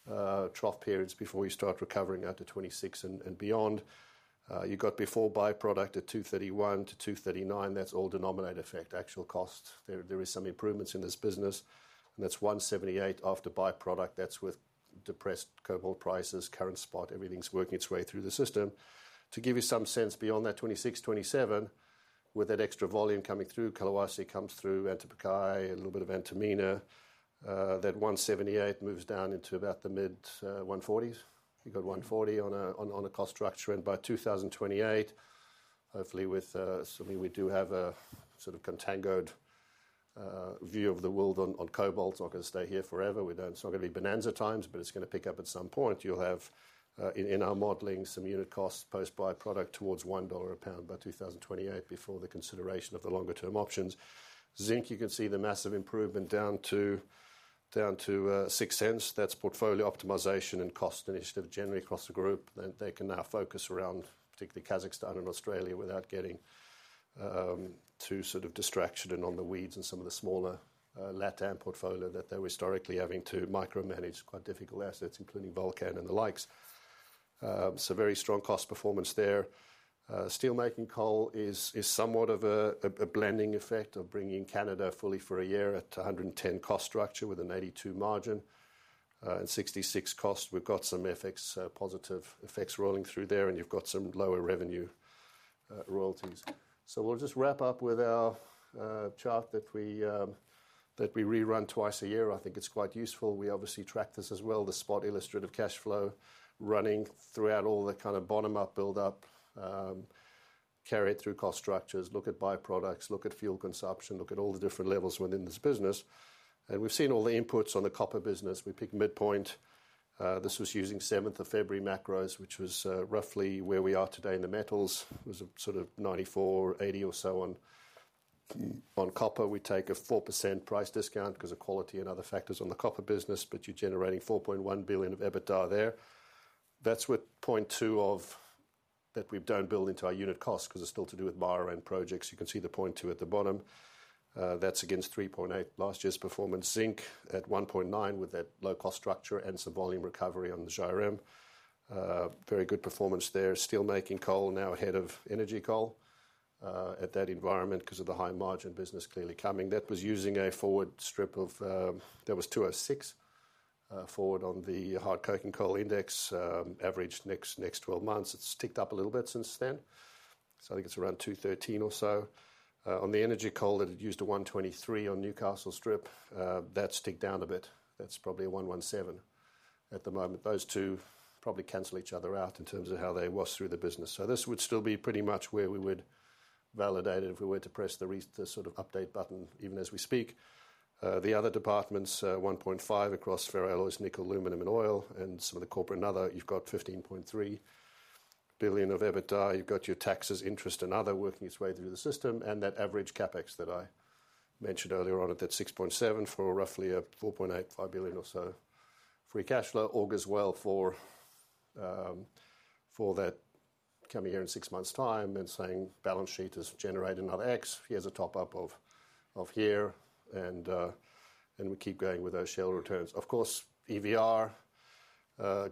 trough periods before you start recovering out to 2026 and beyond. You've got before byproduct at 231-239. That's all denominator effect, actual cost. There are some improvements in this business. And that's 178 after byproduct. That's with depressed cobalt prices, current spot. Everything's working its way through the system. To give you some sense beyond that 2026, 2027, with that extra volume coming through, Collahuasi comes through, Antapaccay, a little bit of Antamina, that 178 moves down into about the mid-140s. You've got 140 on a cost structure. And by 2028, hopefully with something we do have a sort of contangoed view of the world on cobalt, it's not going to stay here forever. It's not going to be bonanza times, but it's going to pick up at some point. You'll have in our modeling some unit cost post byproduct towards $1 a pound by 2028 before the consideration of the longer-term options. Zinc, you can see the massive improvement down to $0.06. That's portfolio optimization and cost initiative generally across the group. They can now focus around particularly Kazakhstan and Australia without getting too sort of distracted and in the weeds and some of the smaller LATAM portfolio that they were historically having to micromanage quite difficult assets, including Volcan and the likes. So very strong cost performance there. Steelmaking coal is somewhat of a blending effect of bringing Canada fully for a year at $110 cost structure with an $82 margin and $66 cost. We've got some FX positive effects rolling through there, and you've got some lower revenue royalties. So we'll just wrap up with our chart that we rerun twice a year. I think it's quite useful. We obviously track this as well, the spot illustrative cash flow running throughout all the kind of bottom-up build-up, carry it through cost structures, look at byproducts, look at fuel consumption, look at all the different levels within this business, and we've seen all the inputs on the copper business. We picked midpoint. This was using 7th of February macros, which was roughly where we are today in the metals. It was sort of $9,480 or so on copper. We take a 4% price discount because of quality and other factors on the copper business, but you're generating $4.1 billion of EBITDA there. That's with 0.2 of that we don't build into our unit cost because it's still to do with backend projects. You can see the 0.2 at the bottom. That's against 3.8 last year's performance. Zinc at $1.9 with that low cost structure and some volume recovery on the Zhairem. Very good performance there. Steelmaking coal now ahead of energy coal in that environment because of the high margin business clearly coming. That was using a forward strip that was $206 forward on the hard coking coal index averaged next 12 months. It's ticked up a little bit since then. So I think it's around $213 or so. On the energy coal, it used a $123 on Newcastle strip. That's ticked down a bit. That's probably a $117 at the moment. Those two probably cancel each other out in terms of how they wash through the business. So this would still be pretty much where we would validate it if we were to press the sort of update button even as we speak. The other departments, $1.5 billion across ferroalloys, nickel, aluminum, and oil, and some of the corporate and other, you've got $15.3 billion of EBITDA. You've got your taxes, interest, and other working its way through the system, and that average CapEx that I mentioned earlier on at that $6.7 billion for roughly a $4.8 billion-$5 billion or so free cash flow. And as well for that coming here in six months' time and saying balance sheet has generated another X. Here's a top-up of here, and we keep going with those shareholder returns. Of course, EVR,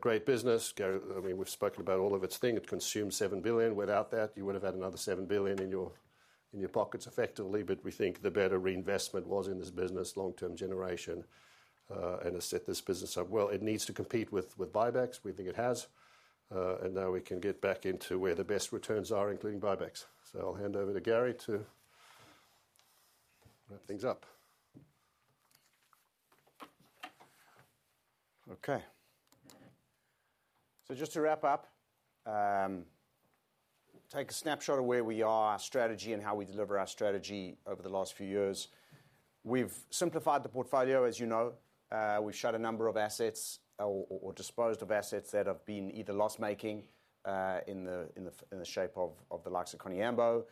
great business. I mean, we've spoken about all of its thing. It consumed $7 billion. Without that, you would have had another $7 billion in your pockets effectively. But we think the better reinvestment was in this business, long-term generation, and has set this business up well. It needs to compete with buybacks. We think it has. Now we can get back into where the best returns are, including buybacks. I'll hand over to Gary to wrap things up. Okay. Just to wrap up, take a snapshot of where we are, our strategy, and how we deliver our strategy over the last few years. We've simplified the portfolio, as you know. We've shut a number of assets or disposed of assets that have been either loss-making in the shape of the likes of Koniambo.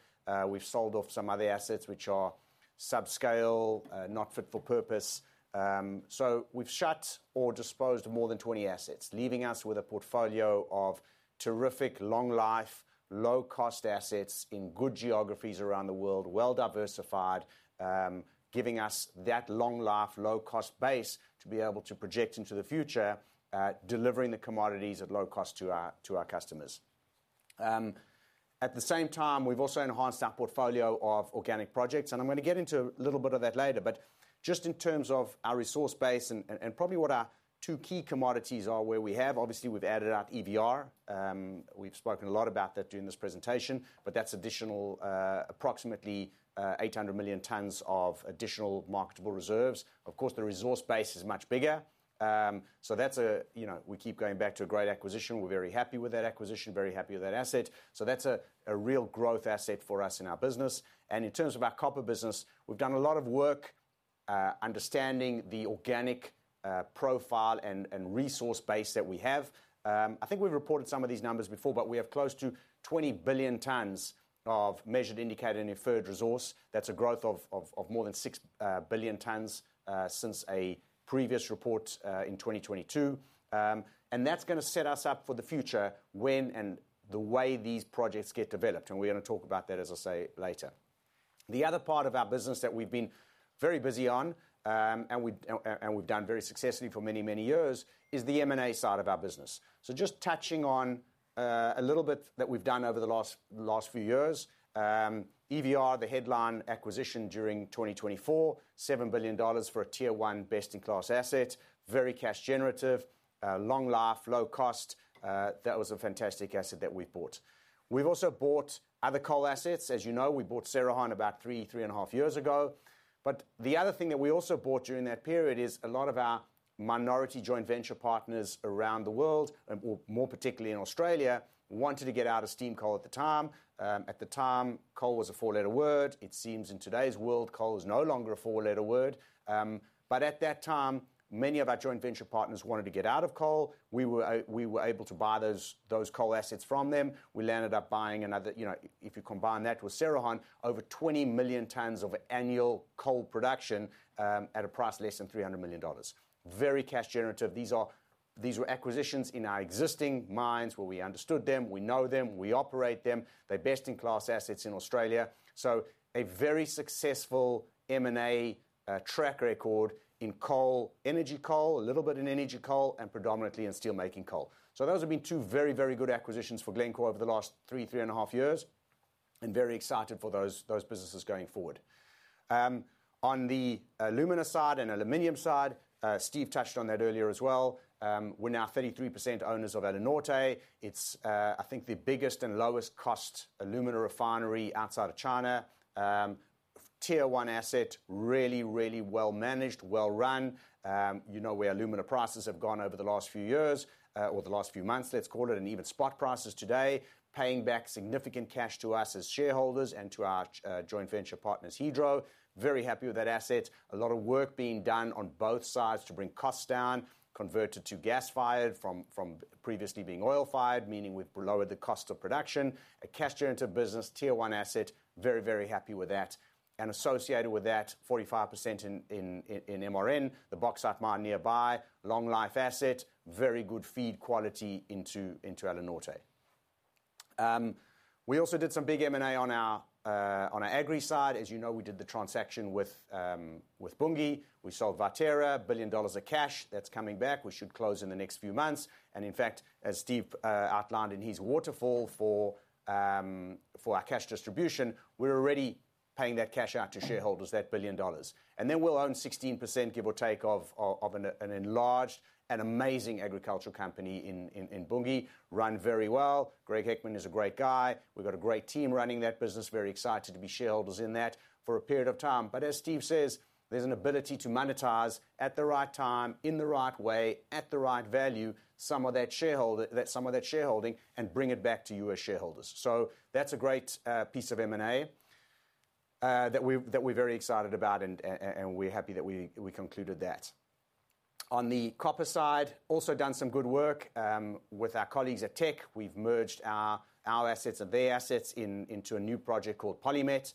We've sold off some other assets which are subscale, not fit for purpose. We've shut or disposed of more than 20 assets, leaving us with a portfolio of terrific long-life, low-cost assets in good geographies around the world, well-diversified, giving us that long-life, low-cost base to be able to project into the future, delivering the commodities at low cost to our customers. At the same time, we've also enhanced our portfolio of organic projects. And I'm going to get into a little bit of that later. But just in terms of our resource base and probably what our two key commodities are where we have, obviously we've added our EVR. We've spoken a lot about that during this presentation, but that's additional approximately 800 million tons of additional marketable reserves. Of course, the resource base is much bigger. So we keep going back to a great acquisition. We're very happy with that acquisition, very happy with that asset. So that's a real growth asset for us in our business. And in terms of our copper business, we've done a lot of work understanding the organic profile and resource base that we have. I think we've reported some of these numbers before, but we have close to 20 billion tons of measured, indicated, and inferred resource. That's a growth of more than 6 billion tons since a previous report in 2022. And that's going to set us up for the future when and the way these projects get developed. And we're going to talk about that, as I say, later. The other part of our business that we've been very busy on and we've done very successfully for many, many years is the M&A side of our business. So just touching on a little bit that we've done over the last few years, EVR, the headline acquisition during 2024, $7 billion for a tier one best-in-class asset, very cash generative, long life, low cost. That was a fantastic asset that we've bought. We've also bought other coal assets. As you know, we bought Cerrejón about three, three and a half years ago. But the other thing that we also bought during that period is a lot of our minority joint venture partners around the world, more particularly in Australia, wanted to get out of steam coal at the time. At the time, coal was a four-letter word. It seems in today's world, coal is no longer a four-letter word. But at that time, many of our joint venture partners wanted to get out of coal. We were able to buy those coal assets from them. We landed up buying another, if you combine that with Cerrejón, over 20 million tons of annual coal production at a price less than $300 million. Very cash generative. These were acquisitions in our existing mines where we understood them. We know them. We operate them. They're best-in-class assets in Australia. A very successful M&A track record in coal, energy coal, a little bit in energy coal, and predominantly in steelmaking coal. So those have been two very, very good acquisitions for Glencore over the last three, three and a half years. And very excited for those businesses going forward. On the alumina side and aluminum side, Steve touched on that earlier as well. We're now 33% owners of Alunorte. It's, I think, the biggest and lowest cost alumina refinery outside of China. Tier one asset, really, really well managed, well run. You know where alumina prices have gone over the last few years or the last few months, let's call it, and even spot prices today, paying back significant cash to us as shareholders and to our joint venture partners, Hydro. Very happy with that asset. A lot of work being done on both sides to bring costs down, converted to gas-fired from previously being oil-fired, meaning we've lowered the cost of production. A cash-generative business, tier one asset, very, very happy with that. And associated with that, 45% in MRN, the Bauxite mine nearby, long-life asset, very good feed quality into Alunorte. We also did some big M&A on our agri side. As you know, we did the transaction with Bunge. We sold Viterra, $1 billion of cash. That's coming back. We should close in the next few months. And in fact, as Steve outlined in his waterfall for our cash distribution, we're already paying that cash out to shareholders, that $1 billion. And then we'll own 16%, give or take, of an enlarged and amazing agricultural company in Bunge. Run very well. Greg Heckman is a great guy. We've got a great team running that business. Very excited to be shareholders in that for a period of time, but as Steve says, there's an ability to monetize at the right time, in the right way, at the right value, some of that shareholding and bring it back to you as shareholders, so that's a great piece of M&A that we're very excited about, and we're happy that we concluded that. On the copper side, also done some good work with our colleagues at Teck. We've merged our assets and their assets into a new project called PolyMet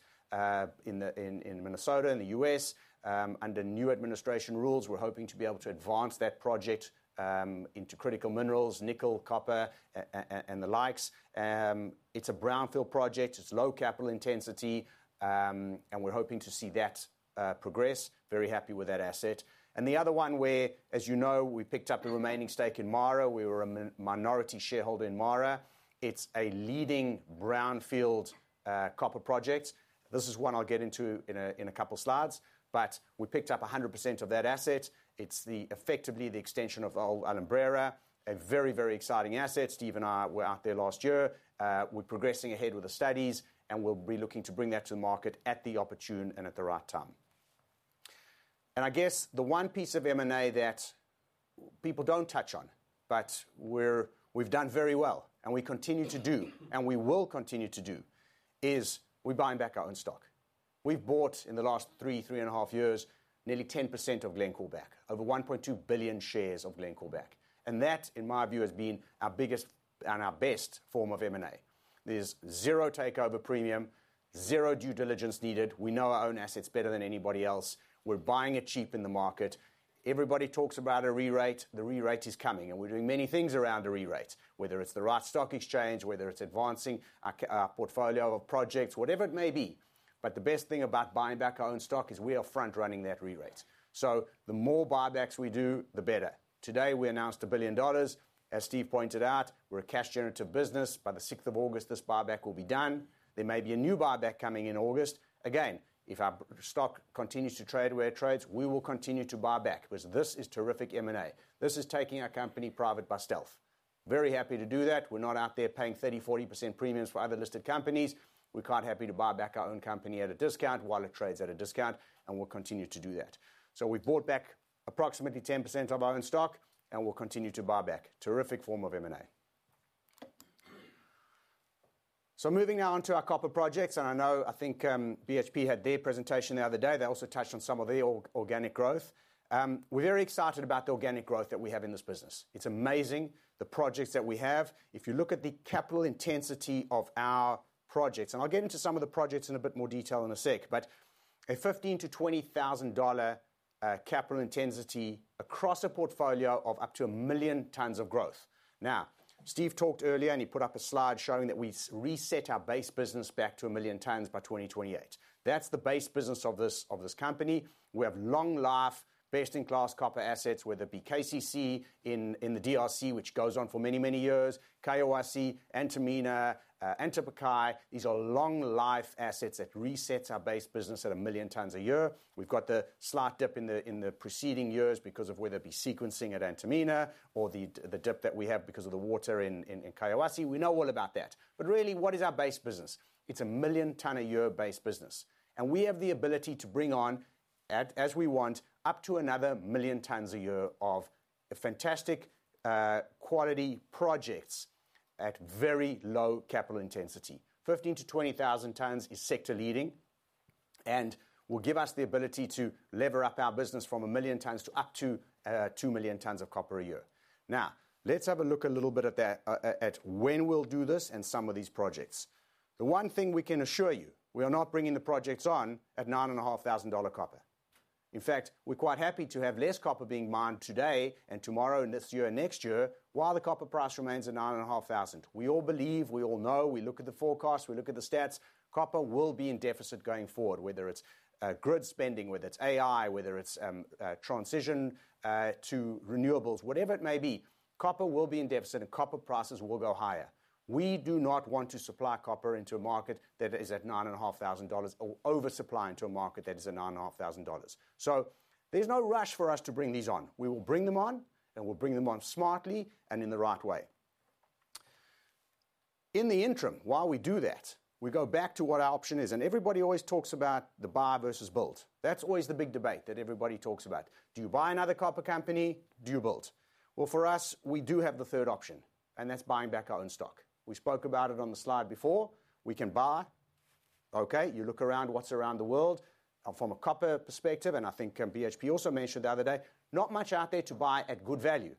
in Minnesota, in the U.S. Under new administration rules, we're hoping to be able to advance that project into critical minerals, nickel, copper, and the likes. It's a brownfield project. It's low capital intensity, and we're hoping to see that progress. Very happy with that asset. And the other one where, as you know, we picked up the remaining stake in MARA. We were a minority shareholder in MARA. It's a leading brownfield copper project. This is one I'll get into in a couple of slides. But we picked up 100% of that asset. It's effectively the extension of old Alumbrera, a very, very exciting asset. Steve and I were out there last year. We're progressing ahead with the studies, and we'll be looking to bring that to the market at the opportune and at the right time. And I guess the one piece of M&A that people don't touch on, but we've done very well, and we continue to do, and we will continue to do, is we're buying back our own stock. We've bought in the last three, three and a half years, nearly 10% of Glencore back, over 1.2 billion shares of Glencore back. And that, in my view, has been our biggest and our best form of M&A. There's zero takeover premium, zero due diligence needed. We know our own assets better than anybody else. We're buying it cheap in the market. Everybody talks about a re-rate. The re-rate is coming. And we're doing many things around the re-rate, whether it's the right stock exchange, whether it's advancing our portfolio of projects, whatever it may be. But the best thing about buying back our own stock is we are front-running that re-rate. So the more buybacks we do, the better. Today, we announced $1 billion. As Steve pointed out, we're a cash-generative business. By the 6th of August, this buyback will be done. There may be a new buyback coming in August. Again, if our stock continues to trade where it trades, we will continue to buy back because this is terrific M&A. This is taking our company private by stealth. Very happy to do that. We're not out there paying 30%-40% premiums for other listed companies. We're quite happy to buy back our own company at a discount while it trades at a discount. And we'll continue to do that. So we've bought back approximately 10% of our own stock, and we'll continue to buy back. Terrific form of M&A. So moving now on to our copper projects. And I know, I think BHP had their presentation the other day. They also touched on some of their organic growth. We're very excited about the organic growth that we have in this business. It's amazing, the projects that we have. If you look at the capital intensity of our projects, and I'll get into some of the projects in a bit more detail in a sec, but a $15,000-$20,000 capital intensity across a portfolio of up to a million tons of growth. Now, Steve talked earlier, and he put up a slide showing that we reset our base business back to a million tons by 2028. That's the base business of this company. We have long-life, best-in-class copper assets, whether it be KCC in the DRC, which goes on for many, many years, Collahuasi, Antamina, Antapaccay. These are long-life assets that reset our base business at a million tons a year. We've got the slight dip in the preceding years because of whether it be sequencing at Antamina or the dip that we have because of the water in Collahuasi. We know all about that. But really, what is our base business? It's a million-ton-a-year base business, and we have the ability to bring on, as we want, up to another million tons a year of fantastic quality projects at very low capital intensity. 15-20,000 tons is sector-leading and will give us the ability to lever up our business from a million tons to up to two million tons of copper a year. Now, let's have a look a little bit at when we'll do this and some of these projects. The one thing we can assure you, we are not bringing the projects on at $9,500 copper. In fact, we're quite happy to have less copper being mined today and tomorrow and this year and next year while the copper price remains at $9,500. We all believe, we all know, we look at the forecast, we look at the stats, copper will be in deficit going forward, whether it's grid spending, whether it's AI, whether it's transition to renewables, whatever it may be. Copper will be in deficit and copper prices will go higher. We do not want to supply copper into a market that is at $9,500 or oversupply into a market that is at $9,500. So there's no rush for us to bring these on. We will bring them on, and we'll bring them on smartly and in the right way. In the interim, while we do that, we go back to what our option is. And everybody always talks about the buy versus build. That's always the big debate that everybody talks about. Do you buy another copper company? Do you build? For us, we do have the third option, and that's buying back our own stock. We spoke about it on the slide before. We can buy. Okay, you look around what's around the world from a copper perspective, and I think BHP also mentioned the other day, not much out there to buy at good value.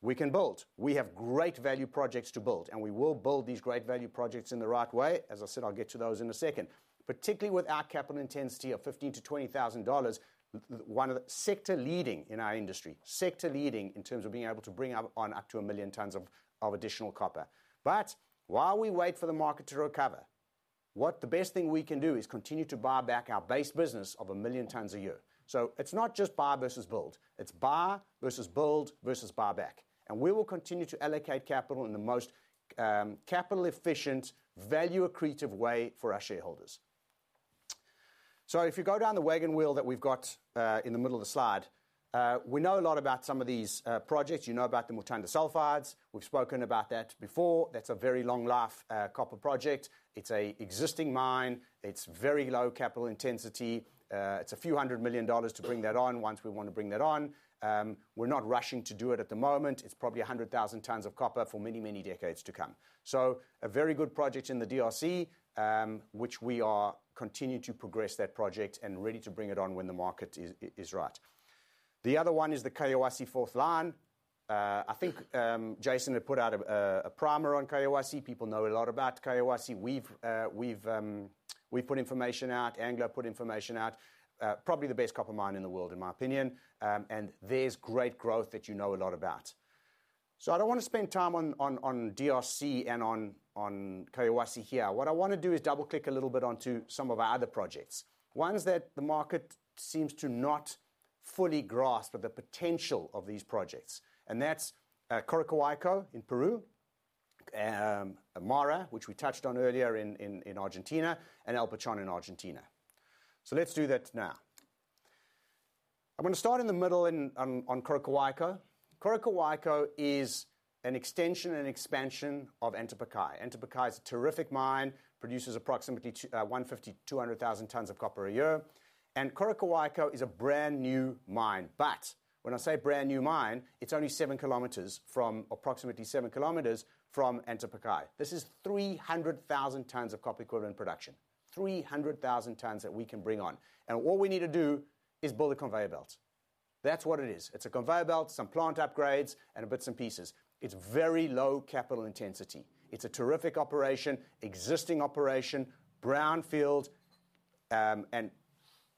We can build. We have great value projects to build, and we will build these great value projects in the right way. As I said, I'll get to those in a second. Particularly with our capital intensity of $15,000-$20,000, sector-leading in our industry, sector-leading in terms of being able to bring on up to a million tons of additional copper. But while we wait for the market to recover, what's the best thing we can do is continue to buy back our base business of a million tons a year. It's not just buy versus build. It's buy versus build versus buy back. And we will continue to allocate capital in the most capital-efficient, value-accretive way for our shareholders. If you go down the wagon wheel that we've got in the middle of the slide, we know a lot about some of these projects. You know about the Mutanda Sulfides. We've spoken about that before. That's a very long-life copper project. It's an existing mine. It's very low capital intensity. It's a few hundred million dollars to bring that on once we want to bring that on. We're not rushing to do it at the moment. It's probably 100,000 tons of copper for many, many decades to come. It's a very good project in the DRC, which we are continuing to progress that project and ready to bring it on when the market is right. The other one is the Collahuasi Fourth Line. I think Jason had put out a primer on Collahuasi. People know a lot about Collahuasi. We've put information out. Anglo put information out. Probably the best copper mine in the world, in my opinion, and there's great growth that you know a lot about. I don't want to spend time on DRC and on Collahuasi here. What I want to do is double-click a little bit onto some of our other projects, ones that the market seems to not fully grasp the potential of these projects, and that's Coroccohuayco in Peru, MARA, which we touched on earlier in Argentina, and El Pachón in Argentina, so let's do that now. I'm going to start in the middle on Coroccohuayco. Coroccohuayco is an extension and expansion of Antapaccay. Antapaccay is a terrific mine, produces approximately 150,000-200,000 tons of copper a year. Coroccohuayco is a brand new mine. When I say brand new mine, it's only 7 km from Antapaccay. This is 300,000 tons of copper equivalent production, 300,000 tons that we can bring on. All we need to do is build a conveyor belt. That's what it is. It's a conveyor belt, some plant upgrades, and bits and pieces. It's very low capital intensity. It's a terrific operation, existing operation, brownfield, and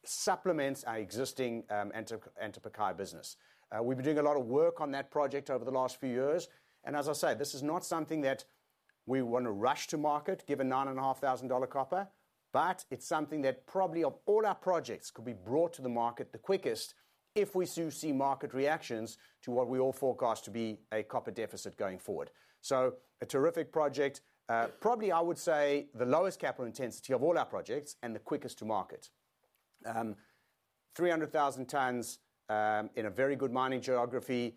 supplements our existing Antapaccay business. We've been doing a lot of work on that project over the last few years. As I say, this is not something that we want to rush to market, given $9,500 copper. But it's something that probably of all our projects could be brought to the market the quickest if we do see market reactions to what we all forecast to be a copper deficit going forward. So a terrific project, probably I would say the lowest capital intensity of all our projects and the quickest to market. 300,000 tons in a very good mining geography.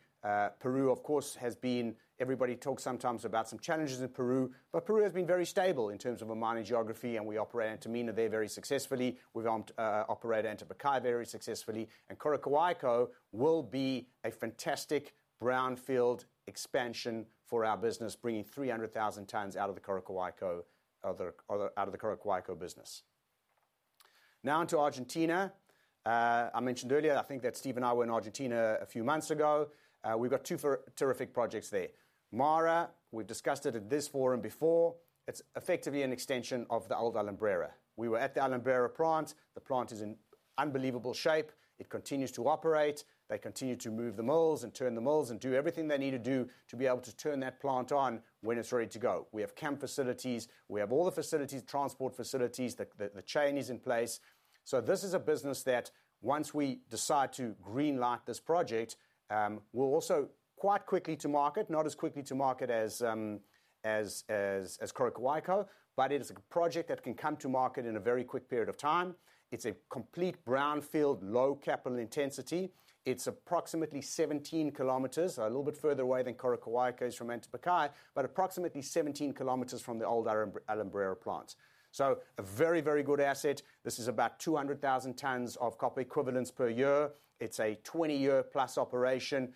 Peru, of course, has been everybody talks sometimes about some challenges in Peru. But Peru has been very stable in terms of a mining geography. And we operate Antamina there very successfully. We operate Antapaccay very successfully. And Coroccohuayco will be a fantastic brownfield expansion for our business, bringing 300,000 tons out of the Coroccohuayco business. Now into Argentina. I mentioned earlier, I think that Steve and I were in Argentina a few months ago. We've got two terrific projects there. MARA, we've discussed it at this forum before. It's effectively an extension of the old Alumbrera. We were at the Alumbrera plant. The plant is in unbelievable shape. It continues to operate. They continue to move the mills and turn the mills and do everything they need to do to be able to turn that plant on when it's ready to go. We have camp facilities. We have all the facilities, transport facilities. The chain is in place. So this is a business that once we decide to greenlight this project, we'll also quite quickly to market, not as quickly to market as Coroccohuayco. But it is a project that can come to market in a very quick period of time. It's a complete brownfield, low capital intensity. It's approximately 17 km, a little bit further away than Coroccohuayco is from Antapaccay, but approximately 17 km from the old Alumbrera plant. So a very, very good asset. This is about 200,000 tons of copper equivalents per year. It's a 20-year-plus operation,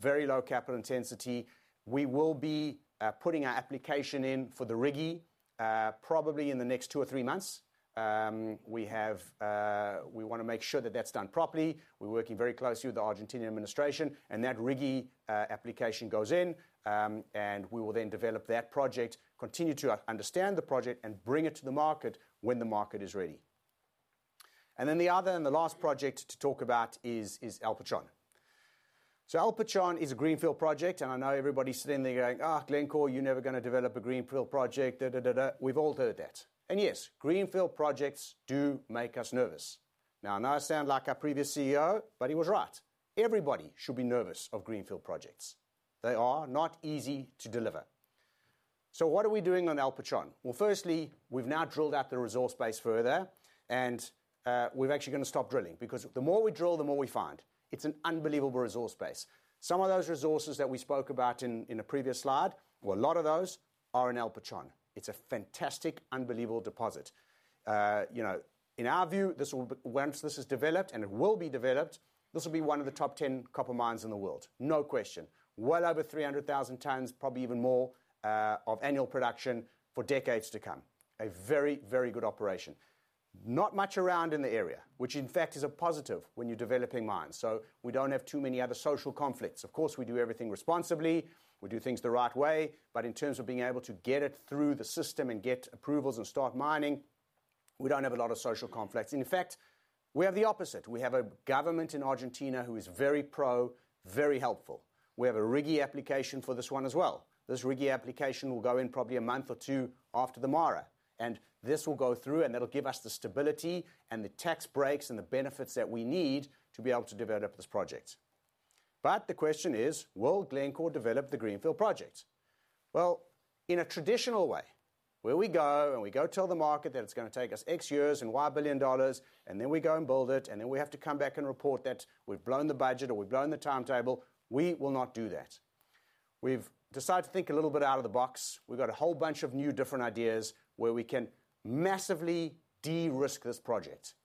very low capital intensity. We will be putting our application in for the RIGI probably in the next two or three months. We want to make sure that that's done properly. We're working very closely with the Argentine administration. And that RIGI application goes in. And we will then develop that project, continue to understand the project, and bring it to the market when the market is ready. And then the other and the last project to talk about is El Pachón. So El Pachón is a greenfield project. I know everybody sitting there going, "Oh, Glencore, you're never going to develop a greenfield project." We've all heard that. And yes, greenfield projects do make us nervous. Now, I know I sound like a previous CEO, but he was right. Everybody should be nervous of greenfield projects. They are not easy to deliver. So what are we doing on El Pachón? Well, firstly, we've now drilled out the resource base further. And we're actually going to stop drilling because the more we drill, the more we find. It's an unbelievable resource base. Some of those resources that we spoke about in a previous slide, well, a lot of those are in El Pachón. It's a fantastic, unbelievable deposit. In our view, once this is developed and it will be developed, this will be one of the top 10 copper mines in the world, no question. Over 300,000 tons, probably even more of annual production for decades to come. A very, very good operation. Not much around in the area, which in fact is a positive when you're developing mines. So we don't have too many other social conflicts. Of course, we do everything responsibly. We do things the right way. But in terms of being able to get it through the system and get approvals and start mining, we don't have a lot of social conflicts. In fact, we have the opposite. We have a government in Argentina who is very pro, very helpful. We have a RIGI application for this one as well. This RIGI application will go in probably a month or two after the MARA. And this will go through, and that'll give us the stability and the tax breaks and the benefits that we need to be able to develop this project. But the question is, will Glencore develop the greenfield project? Well, in a traditional way, where we go and we go tell the market that it's going to take us X years and $Y billion, and then we go and build it, and then we have to come back and report that we've blown the budget or we've blown the timetable, we will not do that. We've decided to think a little bit out of the box. We've got a whole bunch of new different ideas where we can massively de-risk this project,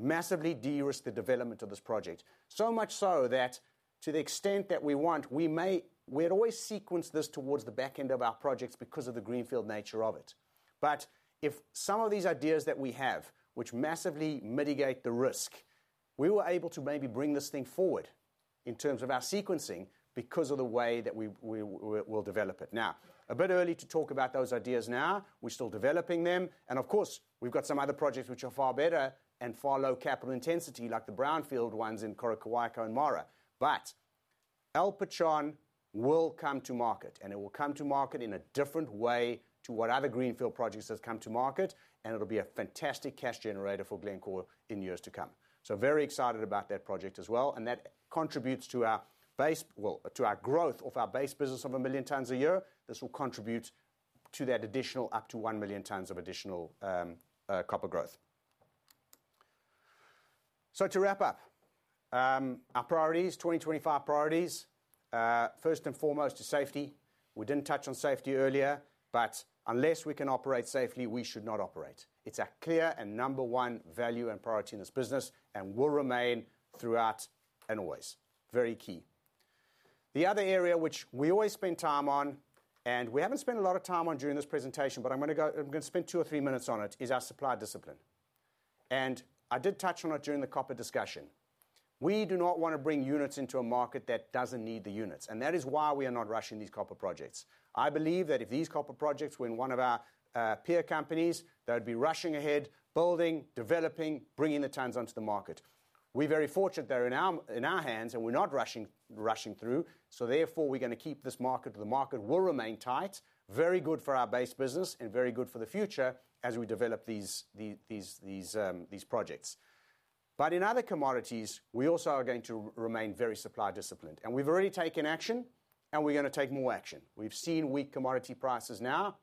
massively de-risk the development of this project. So much so that to the extent that we want, we may. We'd always sequence this towards the back end of our projects because of the greenfield nature of it. But if some of these ideas that we have, which massively mitigate the risk, we were able to maybe bring this thing forward in terms of our sequencing because of the way that we'll develop it. Now, a bit early to talk about those ideas now. We're still developing them. And of course, we've got some other projects which are far better and far lower capital intensity, like the brownfield ones in Coroccohuayco and MARA. But El Pachón will come to market, and it will come to market in a different way to what other greenfield projects have come to market. And it'll be a fantastic cash generator for Glencore in years to come. Very excited about that project as well. And that contributes to our base, well, to our growth of our base business of a million tons a year. This will contribute to that additional up to one million tons of additional copper growth. To wrap up, our priorities, 2025 priorities, first and foremost is safety. We didn't touch on safety earlier, but unless we can operate safely, we should not operate. It's a clear and number one value and priority in this business and will remain throughout and always very key. The other area which we always spend time on, and we haven't spent a lot of time on during this presentation, but I'm going to spend two or three minutes on it, is our supply discipline. And I did touch on it during the copper discussion. We do not want to bring units into a market that doesn't need the units. And that is why we are not rushing these copper projects. I believe that if these copper projects were in one of our peer companies, they'd be rushing ahead, building, developing, bringing the tons onto the market. We're very fortunate they're in our hands and we're not rushing through. So therefore, we're going to keep this market. The market will remain tight, very good for our base business and very good for the future as we develop these projects. But in other commodities, we also are going to remain very supply disciplined. And we've already taken action, and we're going to take more action. We've seen weak commodity prices now.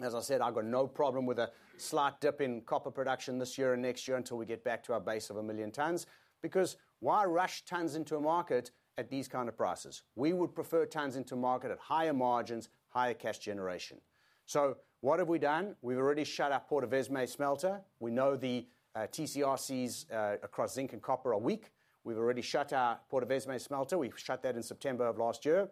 As I said, I've got no problem with a slight dip in copper production this year and next year until we get back to our base of a million tons because why rush tons into a market at these kind of prices? We would prefer tons into a market at higher margins, higher cash generation. So what have we done? We've already shut our Portovesme smelter. We know the TCRCs across zinc and copper are weak. We've already shut our Portovesme smelter. We shut that in September of last year.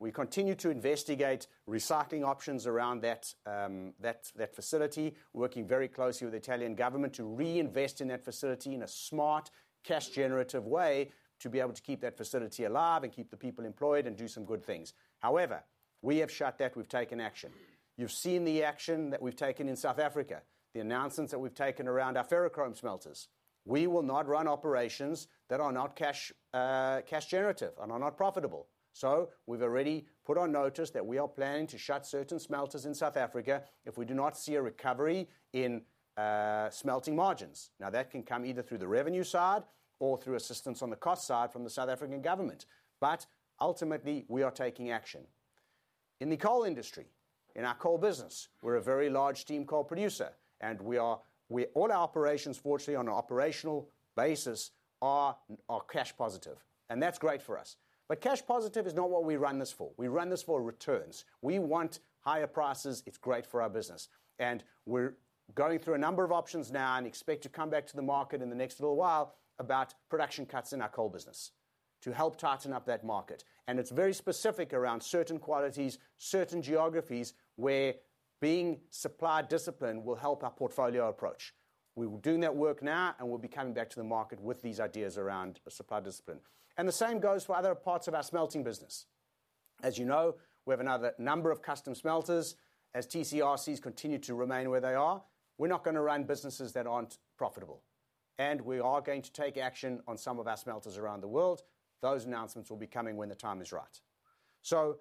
We continue to investigate recycling options around that facility, working very closely with the Italian government to reinvest in that facility in a smart, cash-generative way to be able to keep that facility alive and keep the people employed and do some good things. However, we have shut that. We've taken action. You've seen the action that we've taken in South Africa, the announcements that we've taken around our ferrochrome smelters. We will not run operations that are not cash-generative and are not profitable, so we've already put on notice that we are planning to shut certain smelters in South Africa if we do not see a recovery in smelting margins. Now, that can come either through the revenue side or through assistance on the cost side from the South African government, but ultimately, we are taking action. In the coal industry, in our coal business, we're a very large steam coal producer, and all our operations, fortunately, on an operational basis are cash-positive, and that's great for us, but cash-positive is not what we run this for. We run this for returns. We want higher prices. It's great for our business. And we're going through a number of options now and expect to come back to the market in the next little while about production cuts in our coal business to help tighten up that market. And it's very specific around certain qualities, certain geographies where being supply disciplined will help our portfolio approach. We will be doing that work now, and we'll be coming back to the market with these ideas around supply discipline. And the same goes for other parts of our smelting business. As you know, we have another number of custom smelters. As TCRCs continue to remain where they are, we're not going to run businesses that aren't profitable. And we are going to take action on some of our smelters around the world. Those announcements will be coming when the time is right. So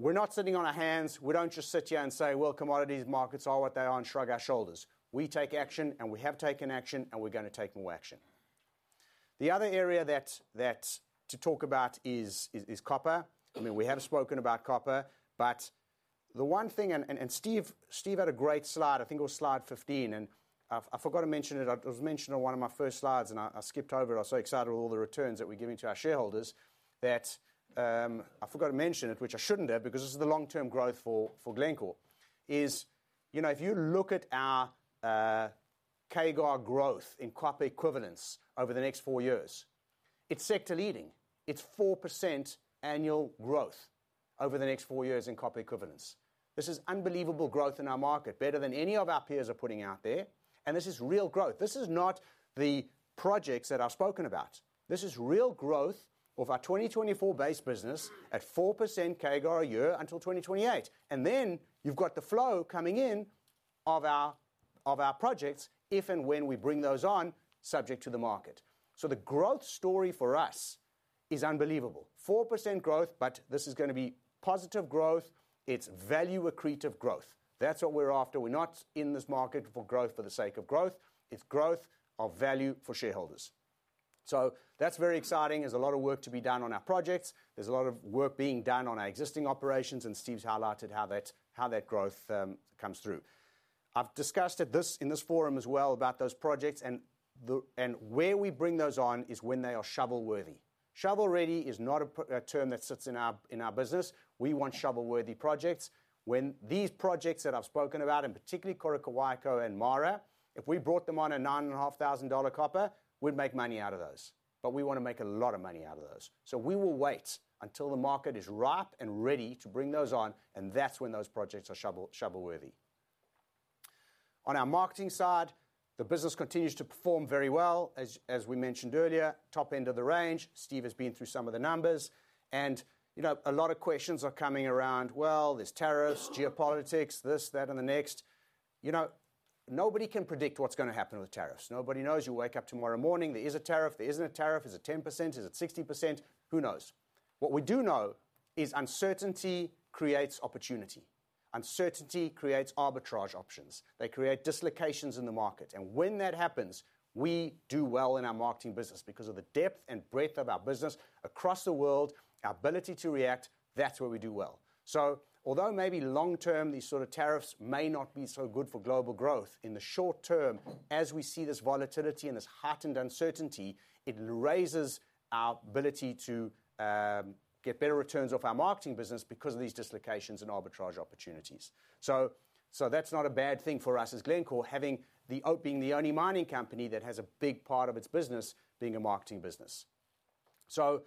we're not sitting on our hands. We don't just sit here and say, "Well, commodities markets are what they are," and shrug our shoulders. We take action, and we have taken action, and we're going to take more action. The other area to talk about is copper. I mean, we have spoken about copper. But the one thing, and Steve had a great slide, I think it was slide 15, and I forgot to mention it. I was mentioning it on one of my first slides, and I skipped over it. I was so excited with all the returns that we're giving to our shareholders that I forgot to mention it, which I shouldn't have because this is the long-term growth for Glencore. If you look at our CAGR growth in copper equivalents over the next four years, it's sector-leading. It's 4% annual growth over the next four years in copper equivalents. This is unbelievable growth in our market, better than any of our peers are putting out there. And this is real growth. This is not the projects that I've spoken about. This is real growth of our 2024 base business at 4% CAGR a year until 2028. And then you've got the flow coming in of our projects if and when we bring those on, subject to the market. So the growth story for us is unbelievable. 4% growth, but this is going to be positive growth. It's value-accretive growth. That's what we're after. We're not in this market for growth for the sake of growth. It's growth of value for shareholders. So that's very exciting. There's a lot of work to be done on our projects. There's a lot of work being done on our existing operations. And Steve's highlighted how that growth comes through. I've discussed it in this forum as well about those projects. And where we bring those on is when they are shovel-worthy. Shovel-ready is not a term that sits in our business. We want shovel-worthy projects. When these projects that I've spoken about, and particularly Coroccohuayco and MARA, if we brought them on a $9,500 copper, we'd make money out of those. But we want to make a lot of money out of those. So we will wait until the market is ripe and ready to bring those on, and that's when those projects are shovel-worthy. On our marketing side, the business continues to perform very well, as we mentioned earlier, top end of the range. Steve has been through some of the numbers. And a lot of questions are coming around. Well, there's tariffs, geopolitics, this, that, and the next. Nobody can predict what's going to happen with tariffs. Nobody knows. You wake up tomorrow morning. There is a tariff. There isn't a tariff. Is it 10%? Is it 60%? Who knows? What we do know is uncertainty creates opportunity. Uncertainty creates arbitrage options. They create dislocations in the market. And when that happens, we do well in our marketing business because of the depth and breadth of our business across the world, our ability to react. That's where we do well. So although maybe long-term, these sort of tariffs may not be so good for global growth, in the short term, as we see this volatility and this heightened uncertainty, it raises our ability to get better returns off our marketing business because of these dislocations and arbitrage opportunities. So that's not a bad thing for us as Glencore, having us being the only mining company that has a big part of its business being a marketing business. So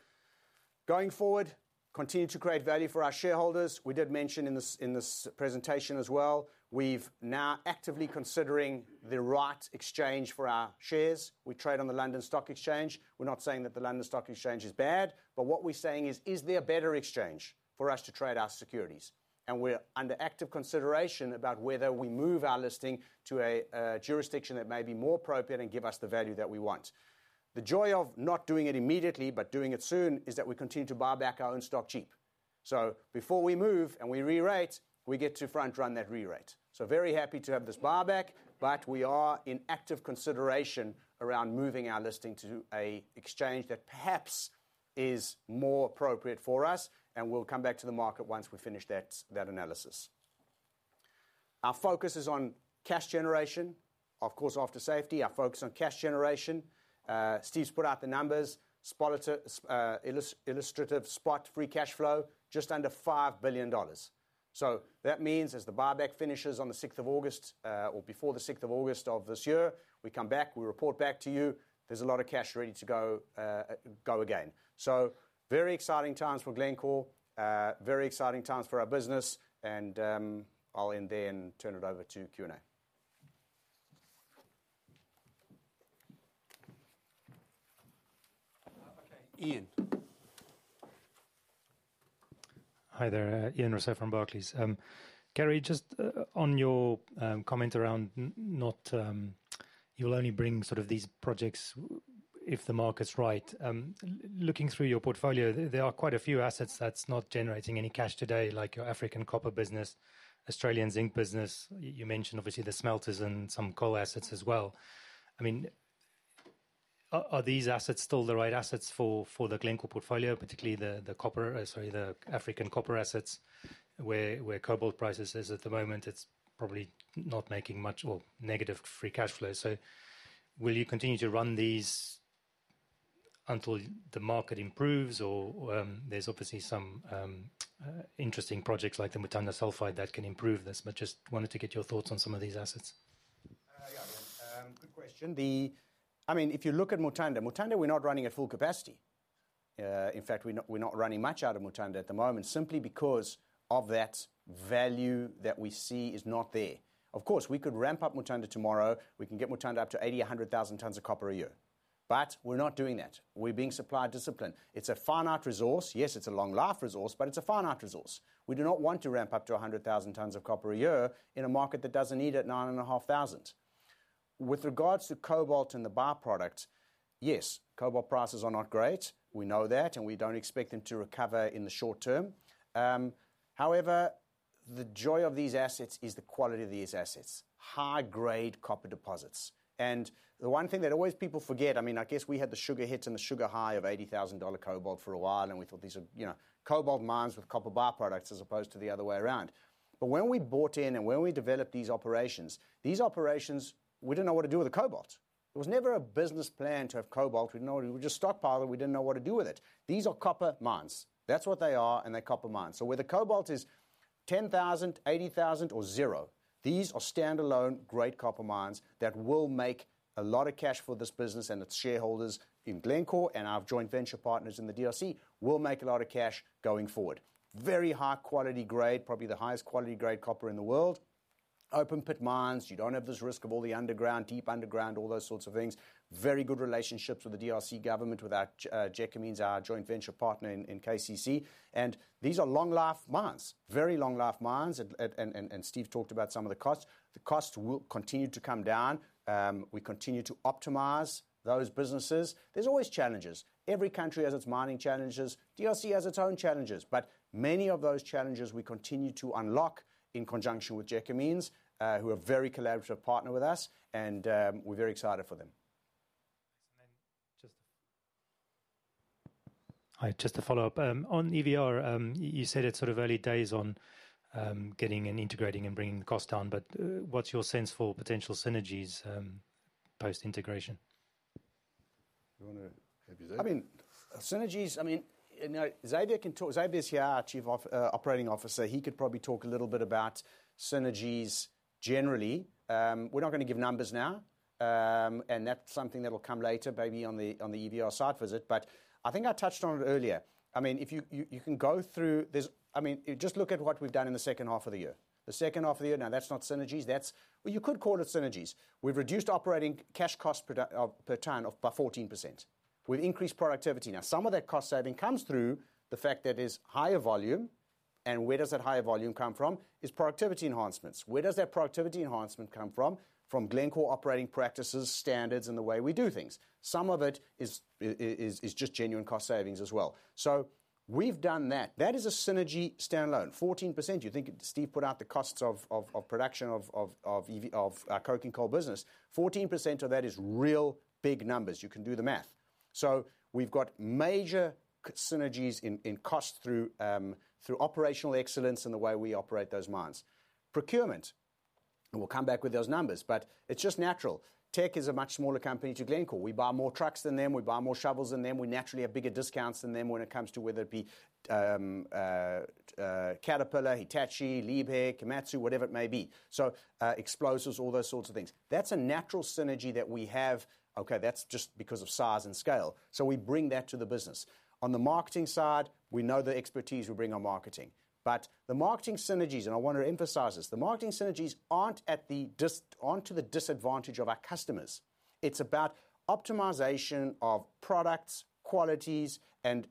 going forward, continue to create value for our shareholders. We did mention in this presentation as well. We're now actively considering the right exchange for our shares. We trade on the London Stock Exchange. We're not saying that the London Stock Exchange is bad, but what we're saying is, is there a better exchange for us to trade our securities? And we're under active consideration about whether we move our listing to a jurisdiction that may be more appropriate and give us the value that we want. The joy of not doing it immediately, but doing it soon, is that we continue to buy back our own stock cheap. So before we move and we re-rate, we get to front-run that re-rate. Very happy to have this buyback, but we are in active consideration around moving our listing to an exchange that perhaps is more appropriate for us. We'll come back to the market once we finish that analysis. Our focus is on cash generation. Of course, after safety, our focus on cash generation. Steve's put out the numbers. Illustrative spot free cash flow, just under $5 billion. That means as the buyback finishes on the 6th of August or before the 6th of August of this year, we come back, we report back to you. There's a lot of cash ready to go again. Very exciting times for Glencore, very exciting times for our business. I'll then turn it over to Q&A. Iain. Hi there. Iain Ross from Barclays. Gary, just on your comment around not you will only bring sort of these projects if the market's right. Looking through your portfolio, there are quite a few assets that's not generating any cash today, like your African copper business, Australian zinc business. You mentioned, obviously, the smelters and some coal assets as well. I mean, are these assets still the right assets for the Glencore portfolio, particularly the African copper assets, where cobalt prices is at the moment? It's probably not making much or negative free cash flow. So will you continue to run these until the market improves? Or there's obviously some interesting projects like the Mutanda Sulfide that can improve this. But just wanted to get your thoughts on some of these assets. Yeah, Iain. Good question. I mean, if you look at Mutanda, we're not running at full capacity. In fact, we're not running much out of Mutanda at the moment simply because of that value that we see is not there. Of course, we could ramp up Mutanda tomorrow. We can get Mutanda up to 80,000, 100,000 tons of copper a year. But we're not doing that. We're being supply disciplined. It's a finite resource. Yes, it's a long-life resource, but it's a finite resource. We do not want to ramp up to 100,000 tons of copper a year in a market that doesn't need it, 9,500. With regards to cobalt and the byproduct, yes, cobalt prices are not great. We know that, and we don't expect them to recover in the short term. However, the joy of these assets is the quality of these assets, high-grade copper deposits. And the one thing that always people forget, I mean, I guess we had the sugar hits and the sugar high of $80,000 cobalt for a while, and we thought these were cobalt mines with copper byproducts as opposed to the other way around. But when we bought in and when we developed these operations, these operations, we didn't know what to do with the cobalt. There was never a business plan to have cobalt. We just stockpiled it. We didn't know what to do with it. These are copper mines. That's what they are, and they're copper mines. So where the cobalt is 10,000, 80,000, or zero, these are stand-alone, great copper mines that will make a lot of cash for this business. And its shareholders in Glencore and our joint venture partners in the DRC will make a lot of cash going forward. Very high-quality grade, probably the highest quality grade copper in the world. Open-pit mines. You don't have this risk of all the underground, deep underground, all those sorts of things. Very good relationships with the DRC government with our Gécamines, our joint venture partner in KCC, and these are long-life mines, very long-life mines. And Steve talked about some of the costs. The costs will continue to come down. We continue to optimize those businesses. There's always challenges. Every country has its mining challenges. DRC has its own challenges. But many of those challenges we continue to unlock in conjunction with Gécamines, who are a very collaborative partner with us, and we're very excited for them. Hi, just to follow up. On EVR, you said it's sort of early days on getting and integrating and bringing the cost down. But what's your sense for potential synergies post-integration? I mean, synergies, I mean, Xavier's here, our Chief Operating Officer. He could probably talk a little bit about synergies generally. We're not going to give numbers now, and that's something that will come later, maybe on the EVR side visit, but I think I touched on it earlier. I mean, if you can go through, I mean, just look at what we've done in the second half of the year. The second half of the year, now, that's not synergies. You could call it synergies. We've reduced operating cash cost per ton by 14%. We've increased productivity. Now, some of that cost saving comes through the fact that it is higher volume, and where does that higher volume come from? It's productivity enhancements. Where does that productivity enhancement come from? From Glencore operating practices, standards, and the way we do things. Some of it is just genuine cost savings as well. So we've done that. That is a synergy standalone, 14%. You think Steve put out the costs of production of our coking coal business. 14% of that is real big numbers. You can do the math. So we've got major synergies in cost through operational excellence and the way we operate those mines. Procurement, we'll come back with those numbers. But it's just natural. Teck is a much smaller company to Glencore. We buy more trucks than them. We buy more shovels than them. We naturally have bigger discounts than them when it comes to whether it be Caterpillar, Hitachi, Liebherr, Komatsu, whatever it may be. So explosives, all those sorts of things. That's a natural synergy that we have. Okay, that's just because of size and scale. So we bring that to the business. On the marketing side, we know the expertise we bring on marketing. But the marketing synergies, and I want to emphasize this, the marketing synergies aren't to the disadvantage of our customers. It's about optimization of products, qualities, and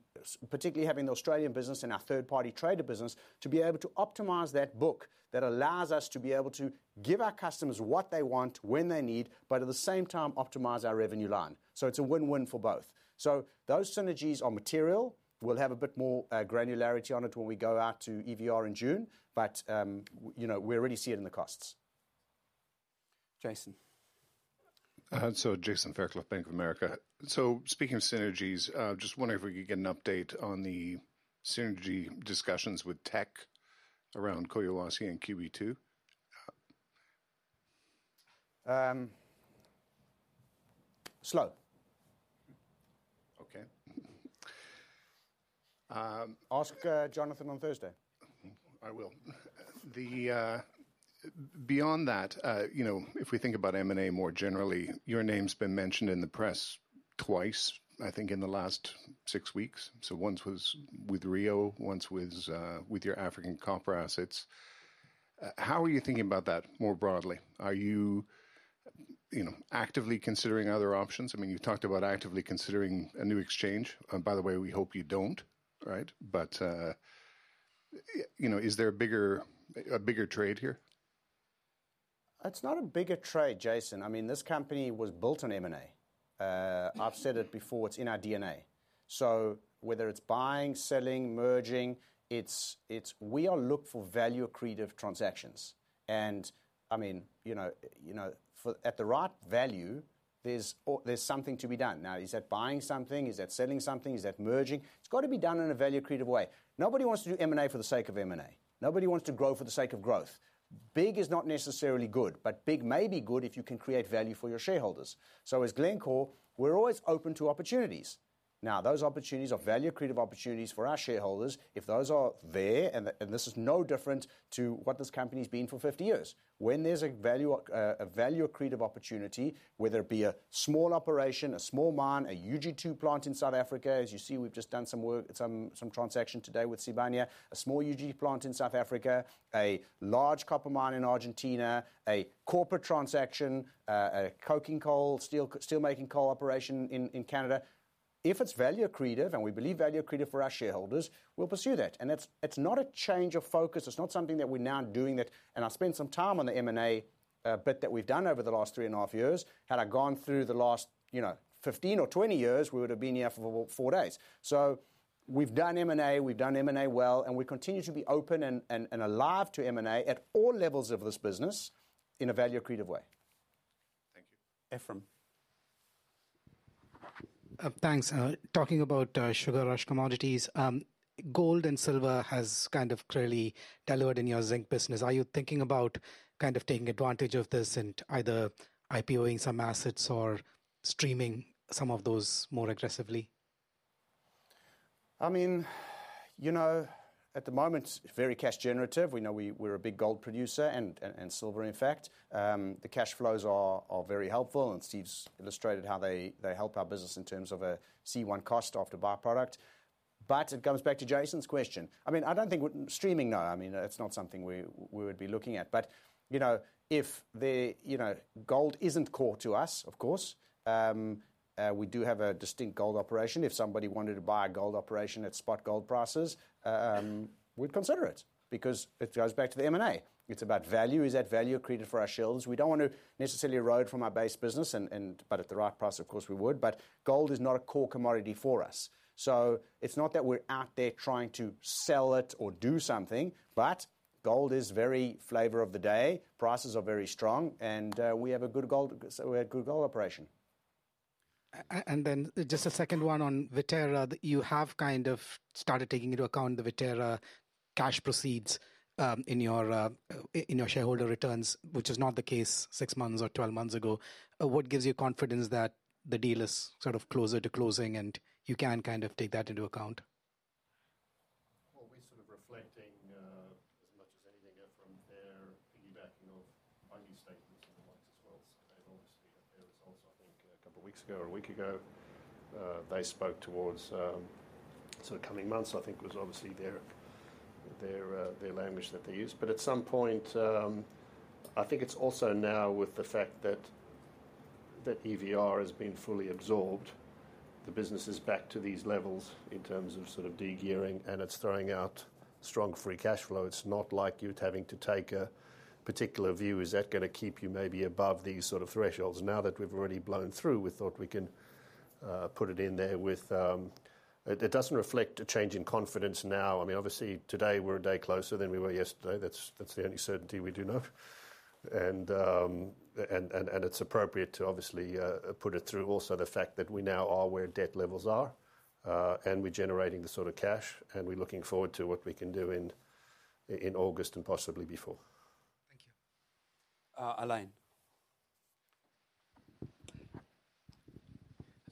particularly having the Australian business and our third-party trader business to be able to optimize that book that allows us to be able to give our customers what they want, when they need, but at the same time, optimize our revenue line. So it's a win-win for both. So those synergies are material. We'll have a bit more granularity on it when we go out to EVR in June. But we already see it in the costs. Jason. So Jason Fairclough, Bank of America. So speaking of synergies, just wondering if we could get an update on the synergy discussions with Teck around Collahuasi and QB2. Ask Jonathan on Thursday. I will. Beyond that, if we think about M&A more generally, your name's been mentioned in the press twice, I think, in the last six weeks. So once was with Rio, once with your African copper assets. How are you thinking about that more broadly? Are you actively considering other options? I mean, you talked about actively considering a new exchange. By the way, we hope you don't, right? But is there a bigger trade here? It's not a bigger trade, Jason. I mean, this company was built on M&A. I've said it before. It's in our DNA. So whether it's buying, selling, merging, we all look for value-accretive transactions. And I mean, at the right value, there's something to be done. Now, is that buying something? Is that selling something? Is that merging? It's got to be done in a value-accretive way. Nobody wants to do M&A for the sake of M&A. Nobody wants to grow for the sake of growth. Big is not necessarily good, but big may be good if you can create value for your shareholders, so as Glencore, we're always open to opportunities. Now, those opportunities are value-accretive opportunities for our shareholders if those are there, and this is no different to what this company's been for 50 years. When there's a value-accretive opportunity, whether it be a small operation, a small mine, a UG2 plant in South Africa, as you see, we've just done some transaction today with Sibanye, a small UG2 plant in South Africa, a large copper mine in Argentina, a corporate transaction, a coking coal, steelmaking coal operation in Canada. If it's value-accretive and we believe value-accretive for our shareholders, we'll pursue that, and it's not a change of focus. It's not something that we're now doing that. And I spent some time on the M&A bit that we've done over the last three and a half years. Had I gone through the last 15 or 20 years, we would have been here for four days. So we've done M&A. We've done M&A well. And we continue to be open and alive to M&A at all levels of this business in a value-accretive way. Thank you. Ephrem. Thanks. Talking about such rich commodities, gold and silver has kind of clearly delivered in your zinc business. Are you thinking about kind of taking advantage of this and either IPOing some assets or streaming some of those more aggressively? I mean, you know at the moment, it's very cash generative. We know we're a big gold producer and silver, in fact. The cash flows are very helpful. And Steve's illustrated how they help our business in terms of a C1 cost after byproduct. But it comes back to Jason's question. I mean, I don't think streaming, no. I mean, it's not something we would be looking at. But if gold isn't core to us, of course, we do have a distinct gold operation. If somebody wanted to buy a gold operation at spot gold prices, we'd consider it because it goes back to the M&A. It's about value. Is that value-accretive for our shareholders? We don't want to necessarily erode from our base business. But at the right price, of course, we would. But gold is not a core commodity for us. So it's not that we're out there trying to sell it or do something. But gold is very flavor of the day. Prices are very strong. And we have a good gold operation. And then just a second one on Viterra. You have kind of started taking into account the Viterra cash proceeds in your shareholder returns, which is not the case six months or 12 months ago. What gives you confidence that the deal is sort of closer to closing and you can kind of take that into account? Well, we're sort of reflecting as much as anything from their piggybacking of ID statements and the likes as well. So they've obviously had their results, I think, a couple of weeks ago or a week ago. They spoke towards sort of coming months, I think, was obviously their language that they used. But at some point, I think it's also now with the fact that EVR has been fully absorbed, the business is back to these levels in terms of sort of degearing, and it's throwing out strong free cash flow. It's not like you're having to take a particular view. Is that going to keep you maybe above these sort of thresholds? Now that we've already blown through, we thought we can put it in there with it doesn't reflect a change in confidence now. I mean, obviously, today, we're a day closer than we were yesterday. That's the only certainty we do know. And it's appropriate to obviously put it through also the fact that we now are where debt levels are, and we're generating the sort of cash, and we're looking forward to what we can do in August and possibly before. Thank you. Alain.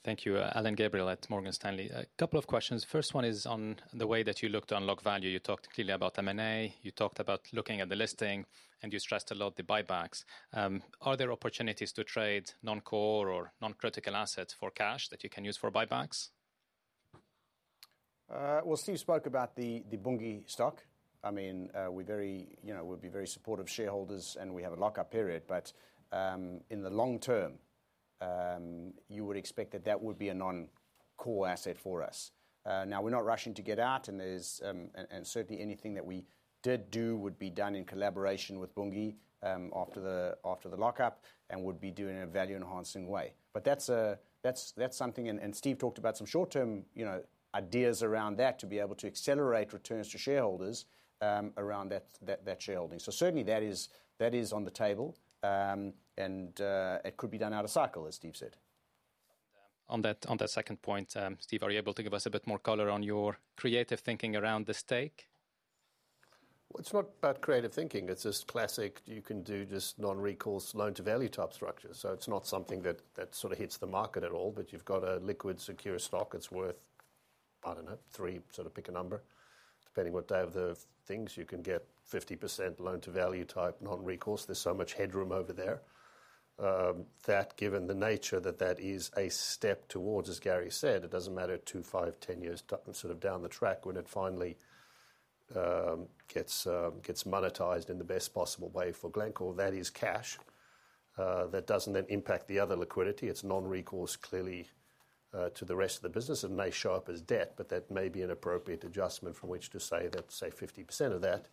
Thank you. Alain Gabriel at Morgan Stanley. A couple of questions. First one is on the way that you look to unlock value. You talked clearly about M&A. You talked about looking at the listing, and you stressed a lot the buybacks. Are there opportunities to trade non-core or non-critical assets for cash that you can use for buybacks? Well, Steve spoke about the Bunge stock. I mean, we would be very supportive shareholders, and we have a lockup period. But in the long term, you would expect that that would be a non-core asset for us. Now, we're not rushing to get out, and certainly anything that we did do would be done in collaboration with Bunge after the lockup and would be done in a value-enhancing way. But that's something. And Steve talked about some short-term ideas around that to be able to accelerate returns to shareholders around that shareholding. So certainly, that is on the table. And it could be done out of cycle, as Steve said. On that second point, Steve, are you able to give us a bit more color on your creative thinking around the stake? It's not about creative thinking. It's just classic. You can do just non-recourse loan-to-value type structures. So it's not something that sort of hits the market at all. But you've got a liquid, secure stock. It's worth, I don't know, three, sort of pick a number. Depending on what day of the things, you can get 50% loan-to-value type non-recourse. There's so much headroom over there. That, given the nature that that is a step towards, as Gary said, it doesn't matter two, five, ten years sort of down the track when it finally gets monetized in the best possible way for Glencore. That is cash. That doesn't then impact the other liquidity. It's non-recourse clearly to the rest of the business. It may show up as debt, but that may be an appropriate adjustment from which to say that, say, 50% of that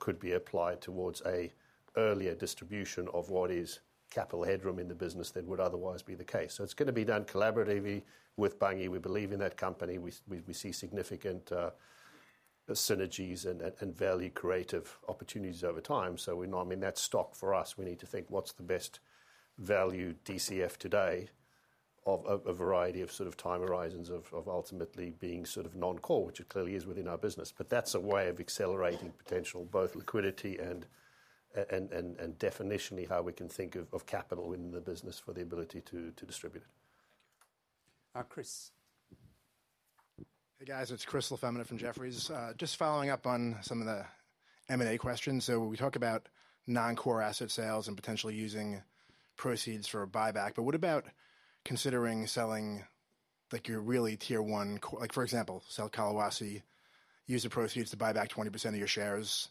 could be applied towards an earlier distribution of what is capital headroom in the business than would otherwise be the case. So it's going to be done collaboratively with Bunge. We believe in that company. We see significant synergies and value-creative opportunities over time. So I mean, that's stock for us. We need to think what's the best value DCF today of a variety of sort of time horizons of ultimately being sort of non-core, which it clearly is within our business. But that's a way of accelerating potential, both liquidity and definitionally how we can think of capital within the business for the ability to distribute it. Thank you. Chris. Hey, guys. It's Chris LaFemina from Jefferies. Just following up on some of the M&A questions. So we talk about non-core asset sales and potentially using proceeds for a buyback. But what about considering selling your really tier-one, for example, sell Collahuasi, use the proceeds to buy back 20% of your shares.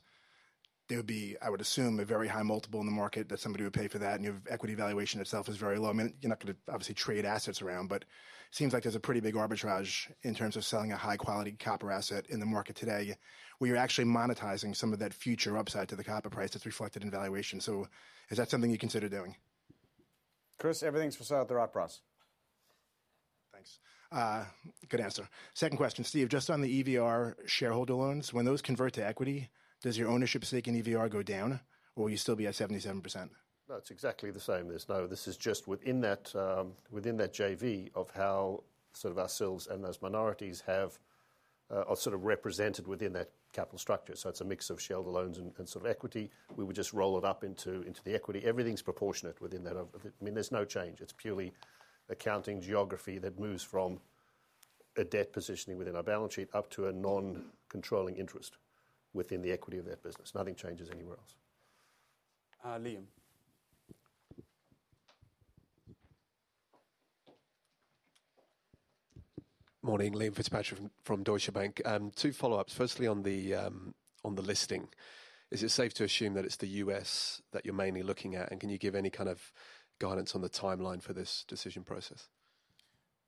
There would be, I would assume, a very high multiple in the market that somebody would pay for that. And your equity valuation itself is very low. I mean, you're not going to obviously trade assets around. But it seems like there's a pretty big arbitrage in terms of selling a high-quality copper asset in the market today where you're actually monetizing some of that future upside to the copper price that's reflected in valuation. So is that something you consider doing? Chris, everything's for sale at the right price. Thanks. Good answer. Second question, Steve. Just on the EVR shareholder loans, when those convert to equity, does your ownership stake in EVR go down, or will you still be at 77%? That's exactly the same. No, this is just within that JV of how sort of ourselves and those minorities have sort of represented within that capital structure. So it's a mix of shareholder loans and sort of equity. We would just roll it up into the equity. Everything's proportionate within that. I mean, there's no change. It's purely accounting geography that moves from a debt positioning within our balance sheet up to a non-controlling interest within the equity of that business. Nothing changes anywhere else. Liam. Morning. Liam Fitzpatrick from Deutsche Bank. Two follow-ups. Firstly, on the listing, is it safe to assume that it's the U.S. that you're mainly looking at? And can you give any kind of guidance on the timeline for this decision process?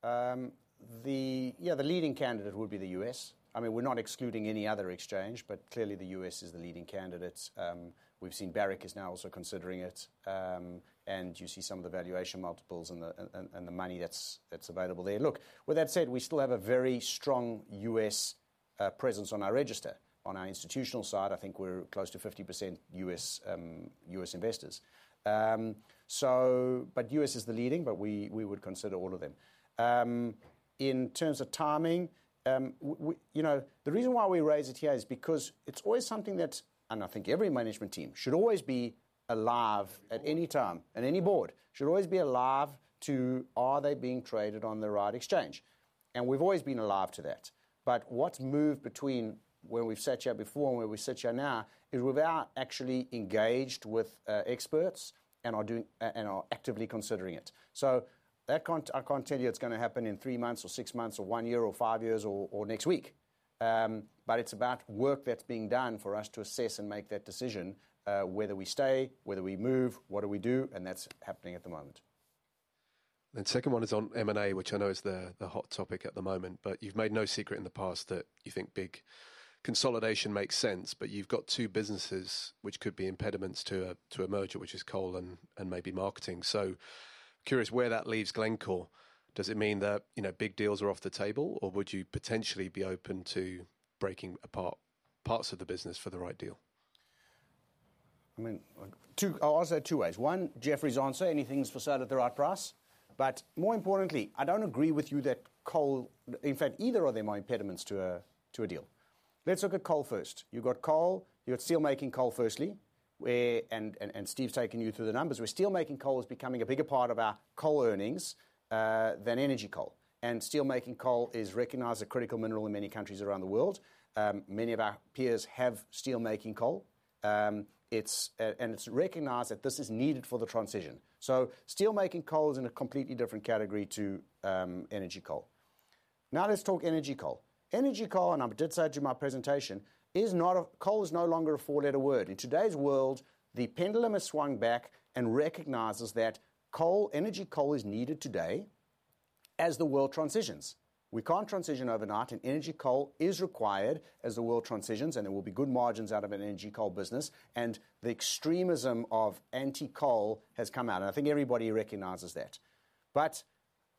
Yeah, the leading candidate would be the U.S. I mean, we're not excluding any other exchange, but clearly, the U.S. is the leading candidate. We've seen Barrick is now also considering it. And you see some of the valuation multiples and the money that's available there. Look, with that said, we still have a very strong U.S. presence on our register. On our institutional side, I think we're close to 50% U.S. investors. But U.S. is the leading, but we would consider all of them. In terms of timing, the reason why we raise it here is because it's always something that, and I think every management team should always be alive at any time, and any board should always be alive to, are they being traded on the right exchange? We've always been alive to that. What's moved between where we've sat here before and where we sit here now is we've actually engaged with experts and are actively considering it. I can't tell you it's going to happen in three months or six months or one year or five years or next week. It's about work that's being done for us to assess and make that decision whether we stay, whether we move, what do we do. That's happening at the moment. The second one is on M&A, which I know is the hot topic at the moment. You've made no secret in the past that you think big consolidation makes sense. You've got two businesses which could be impediments to a merger, which is coal and maybe marketing. So curious where that leaves Glencore. Does it mean that big deals are off the table, or would you potentially be open to breaking apart parts of the business for the right deal? I'll answer that two ways. One, Jefferies answer. Anything's for sale at the right price. But more importantly, I don't agree with you that coal, in fact, either of them are impediments to a deal. Let's look at coal first. You've got steelmaking coal firstly, and Steve's taken you through the numbers. We're steelmaking coal is becoming a bigger part of our coal earnings than energy coal. And steelmaking coal is recognized as a critical mineral in many countries around the world. Many of our peers have steelmaking coal. And it's recognized that this is needed for the transition. So steelmaking coal is in a completely different category to energy coal. Now let's talk energy coal. Energy coal, and I did say it in my presentation: coal is no longer a four-letter word. In today's world, the pendulum has swung back and recognizes that energy coal is needed today as the world transitions. We can't transition overnight, and energy coal is required as the world transitions, and there will be good margins out of an energy coal business. The extremism of anti-coal has come out. I think everybody recognizes that.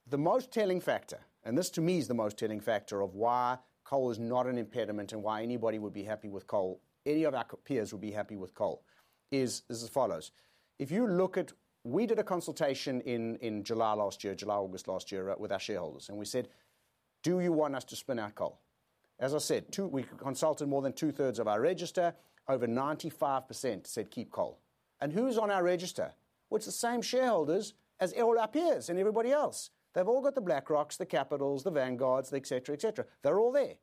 The most telling factor, and this to me is the most telling factor of why coal is not an impediment and why anybody would be happy with coal, any of our peers would be happy with coal, is as follows. If you look at, we did a consultation in July last year, July-August last year with our shareholders. We said, do you want us to spin out coal? As I said, we consulted more than two-thirds of our register. Over 95% said, keep coal, and who's on our register? Well, it's the same shareholders as all our peers and everybody else. They've all got the BlackRocks, the Capitals, the Vanguards, etc., etc. They're all there,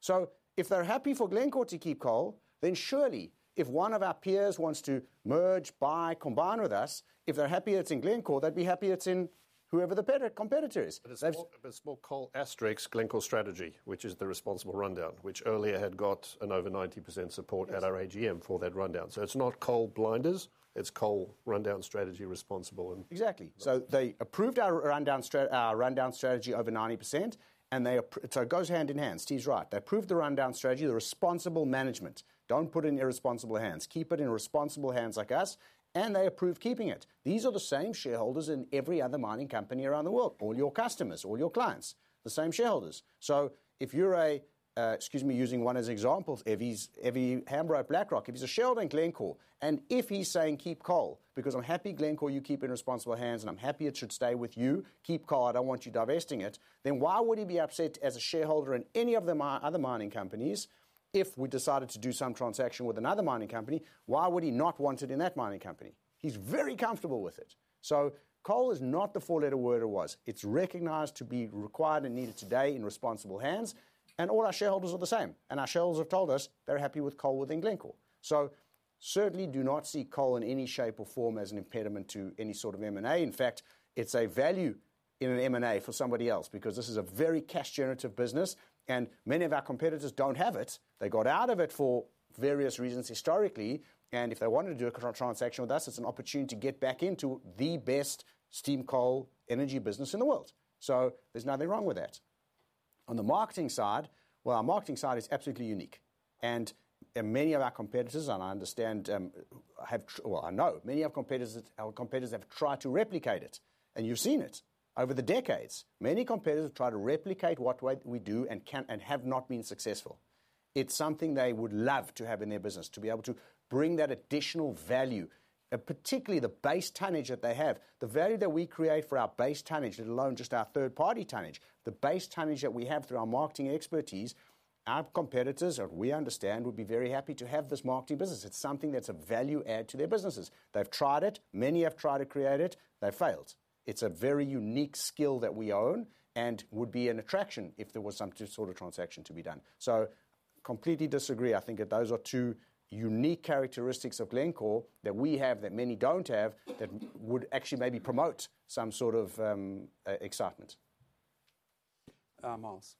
so if they're happy for Glencore to keep coal, then surely if one of our peers wants to merge, buy, combine with us, if they're happy it's in Glencore, they'd be happy it's in whoever the competitor is, but it's more coal asterisk Glencore strategy, which is the responsible rundown, which earlier had got an over 90% support at our AGM for that rundown, so it's not coal blinders. It's coal rundown strategy responsible. Exactly, so they approved our rundown strategy over 90%, and so it goes hand in hand. Steve's right. They approved the rundown strategy, the responsible management. Don't put it in irresponsible hands. Keep it in responsible hands like us. And they approved keeping it. These are the same shareholders in every other mining company around the world, all your customers, all your clients, the same shareholders. So if you're a, excuse me, using one as an example, Evy Hambro, BlackRock, if he's a shareholder in Glencore, and if he's saying, keep coal, because I'm happy Glencore you keep in responsible hands, and I'm happy it should stay with you, keep coal, I don't want you divesting it, then why would he be upset as a shareholder in any of the other mining companies if we decided to do some transaction with another mining company? Why would he not want it in that mining company? He's very comfortable with it. So coal is not the four-letter word it was. It's recognized to be required and needed today in responsible hands. And all our shareholders are the same. And our shareholders have told us they're happy with coal within Glencore. So certainly do not see coal in any shape or form as an impediment to any sort of M&A. In fact, it's a value in an M&A for somebody else because this is a very cash-generative business. And many of our competitors don't have it. They got out of it for various reasons historically. And if they wanted to do a transaction with us, it's an opportunity to get back into the best steam coal, energy business in the world. So there's nothing wrong with that. On the marketing side, well, our marketing side is absolutely unique. And many of our competitors, and I understand, well, I know many of our competitors have tried to replicate it. You've seen it over the decades. Many competitors have tried to replicate what we do and have not been successful. It's something they would love to have in their business, to be able to bring that additional value, particularly the base tonnage that they have. The value that we create for our base tonnage, let alone just our third-party tonnage, the base tonnage that we have through our marketing expertise, our competitors, as we understand, would be very happy to have this marketing business. It's something that's a value add to their businesses. They've tried it. Many have tried to create it. They've failed. It's a very unique skill that we own and would be an attraction if there was some sort of transaction to be done. So, completely disagree. I think that those are two unique characteristics of Glencore that we have that many don't have that would actually maybe promote some sort of excitement. Myles.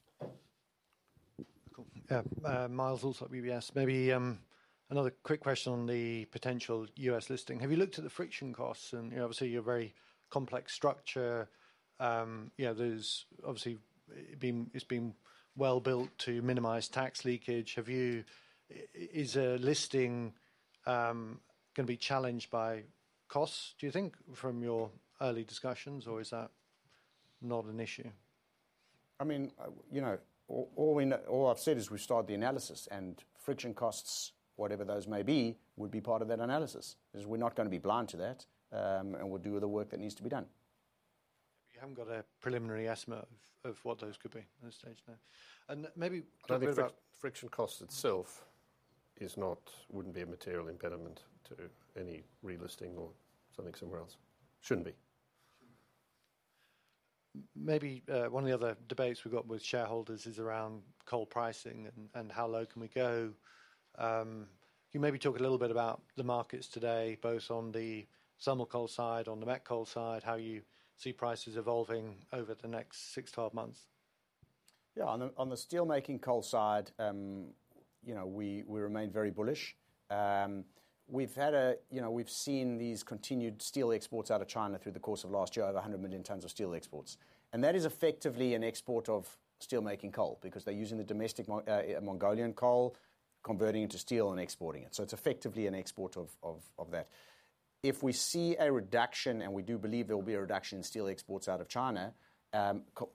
Yeah. Myles Allsop at UBS. Maybe another quick question on the potential U.S. listing. Have you looked at the friction costs? And obviously, you're a very complex structure. Obviously, it's been well built to minimize tax leakage. Is a listing going to be challenged by costs, do you think, from your early discussions, or is that not an issue? I mean, all I've said is we've started the analysis. And friction costs, whatever those may be, would be part of that analysis. We're not going to be blind to that. And we'll do the work that needs to be done. You haven't got a preliminary estimate of what those could be at this stage now. Maybe a little bit about friction costs itself wouldn't be a material impediment to any relisting or something somewhere else. Shouldn't be. Maybe one of the other debates we've got with shareholders is around coal pricing and how low can we go. Can you maybe talk a little bit about the markets today, both on the thermal coal side, on the met coal side, how you see prices evolving over the next six to 12 months? Yeah. On the steelmaking coal side, we remain very bullish. We've seen these continued steel exports out of China through the course of last year, over 100 million tons of steel exports. And that is effectively an export of steelmaking coal because they're using the domestic Mongolian coal, converting it to steel and exporting it. So it's effectively an export of that. If we see a reduction, and we do believe there will be a reduction in steel exports out of China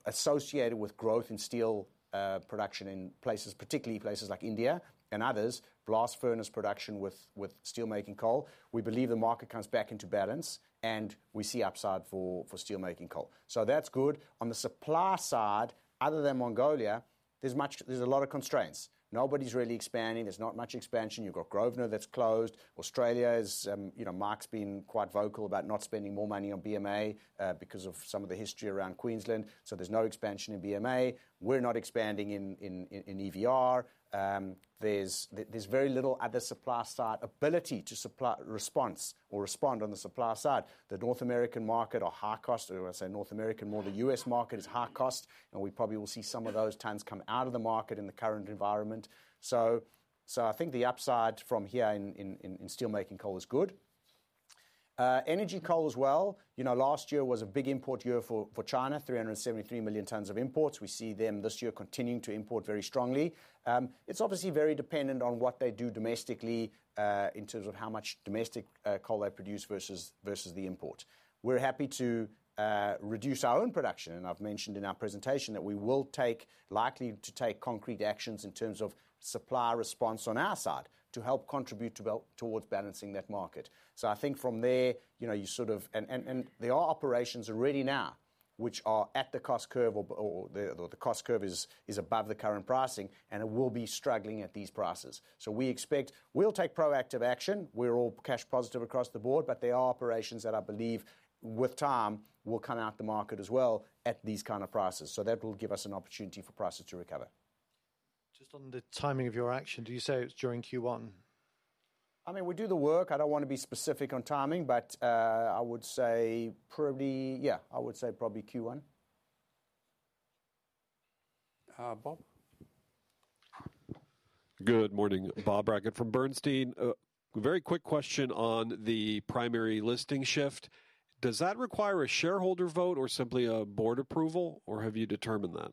associated with growth in steel production in places, particularly places like India and others, blast furnace production with steelmaking coal, we believe the market comes back into balance, and we see upside for steelmaking coal. So that's good. On the supply side, other than Mongolia, there's a lot of constraints. Nobody's really expanding. There's not much expansion. You've got Grosvenor that's closed. Australia's PM's been quite vocal about not spending more money on BMA because of some of the history around Queensland. So there's no expansion in BMA. We're not expanding in EVR. There's very little other supply side ability to respond on the supply side. The North American market are high cost. I say North American more. The U.S. market is high cost. We probably will see some of those tons come out of the market in the current environment. So I think the upside from here in steelmaking coal is good. Energy coal as well. Last year was a big import year for China, 373 million tons of imports. We see them this year continuing to import very strongly. It's obviously very dependent on what they do domestically in terms of how much domestic coal they produce versus the import. We're happy to reduce our own production. And I've mentioned in our presentation that we will likely to take concrete actions in terms of supply response on our side to help contribute towards balancing that market. So I think from there, you sort of, and there are operations already now which are at the cost curve, or the cost curve is above the current pricing, and it will be struggling at these prices. So we expect we'll take proactive action. We're all cash positive across the board. But there are operations that I believe with time will come out the market as well at these kind of prices. So that will give us an opportunity for prices to recover. Just on the timing of your action, do you say it's during Q1? I mean, we do the work. I don't want to be specific on timing, but I would say probably, yeah, I would say probably Q1. Bob. Good morning. Bob Brackett from Bernstein. Very quick question on the primary listing shift. Does that require a shareholder vote or simply a board approval, or have you determined that?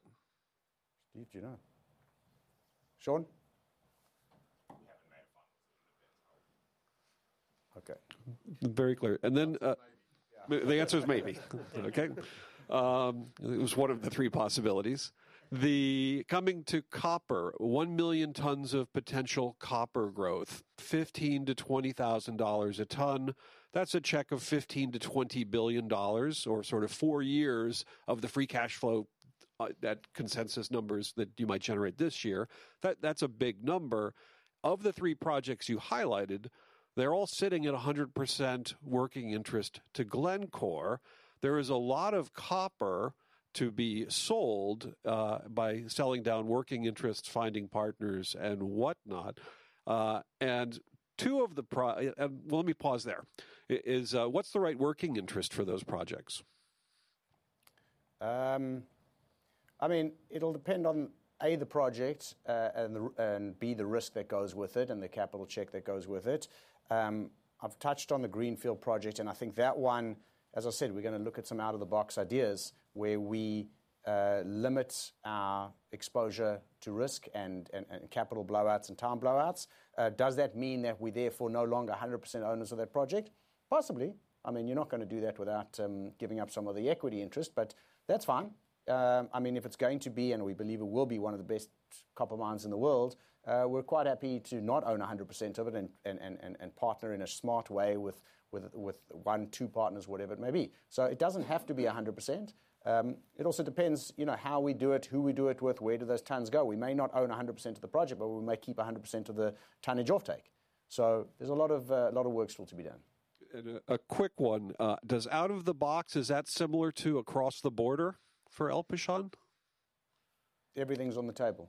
Steve, do you know? Sean? We haven't made a final decision. Okay. Very clear, and then the answer is maybe. Okay. It was one of the three possibilities. Coming to copper, one million tons of potential copper growth, $15,000-$20,000 a ton. That's a check of $15 billion-$20 billion or sort of four years of the free cash flow, that consensus numbers that you might generate this year. That's a big number. Of the three projects you highlighted, they're all sitting at 100% working interest to Glencore. There is a lot of copper to be sold by selling down working interests, finding partners, and whatnot. And two of the, well, let me pause there. What's the right working interest for those projects? I mean, it'll depend on A, the project, and B, the risk that goes with it and the capital check that goes with it. I've touched on the greenfield project, and I think that one, as I said, we're going to look at some out-of-the-box ideas where we limit our exposure to risk and capital blowouts and time blowouts. Does that mean that we therefore no longer 100% owners of that project? Possibly. I mean, you're not going to do that without giving up some of the equity interest, but that's fine. I mean, if it's going to be, and we believe it will be one of the best copper mines in the world, we're quite happy to not own 100% of it and partner in a smart way with one, two partners, whatever it may be, so it doesn't have to be 100%. It also depends how we do it, who we do it with, where do those tons go. We may not own 100% of the project, but we may keep 100% of the tonnage offtake. So there's a lot of work still to be done. And a quick one. Out of the box, is that similar to across the border for El Pachón? Everything's on the table.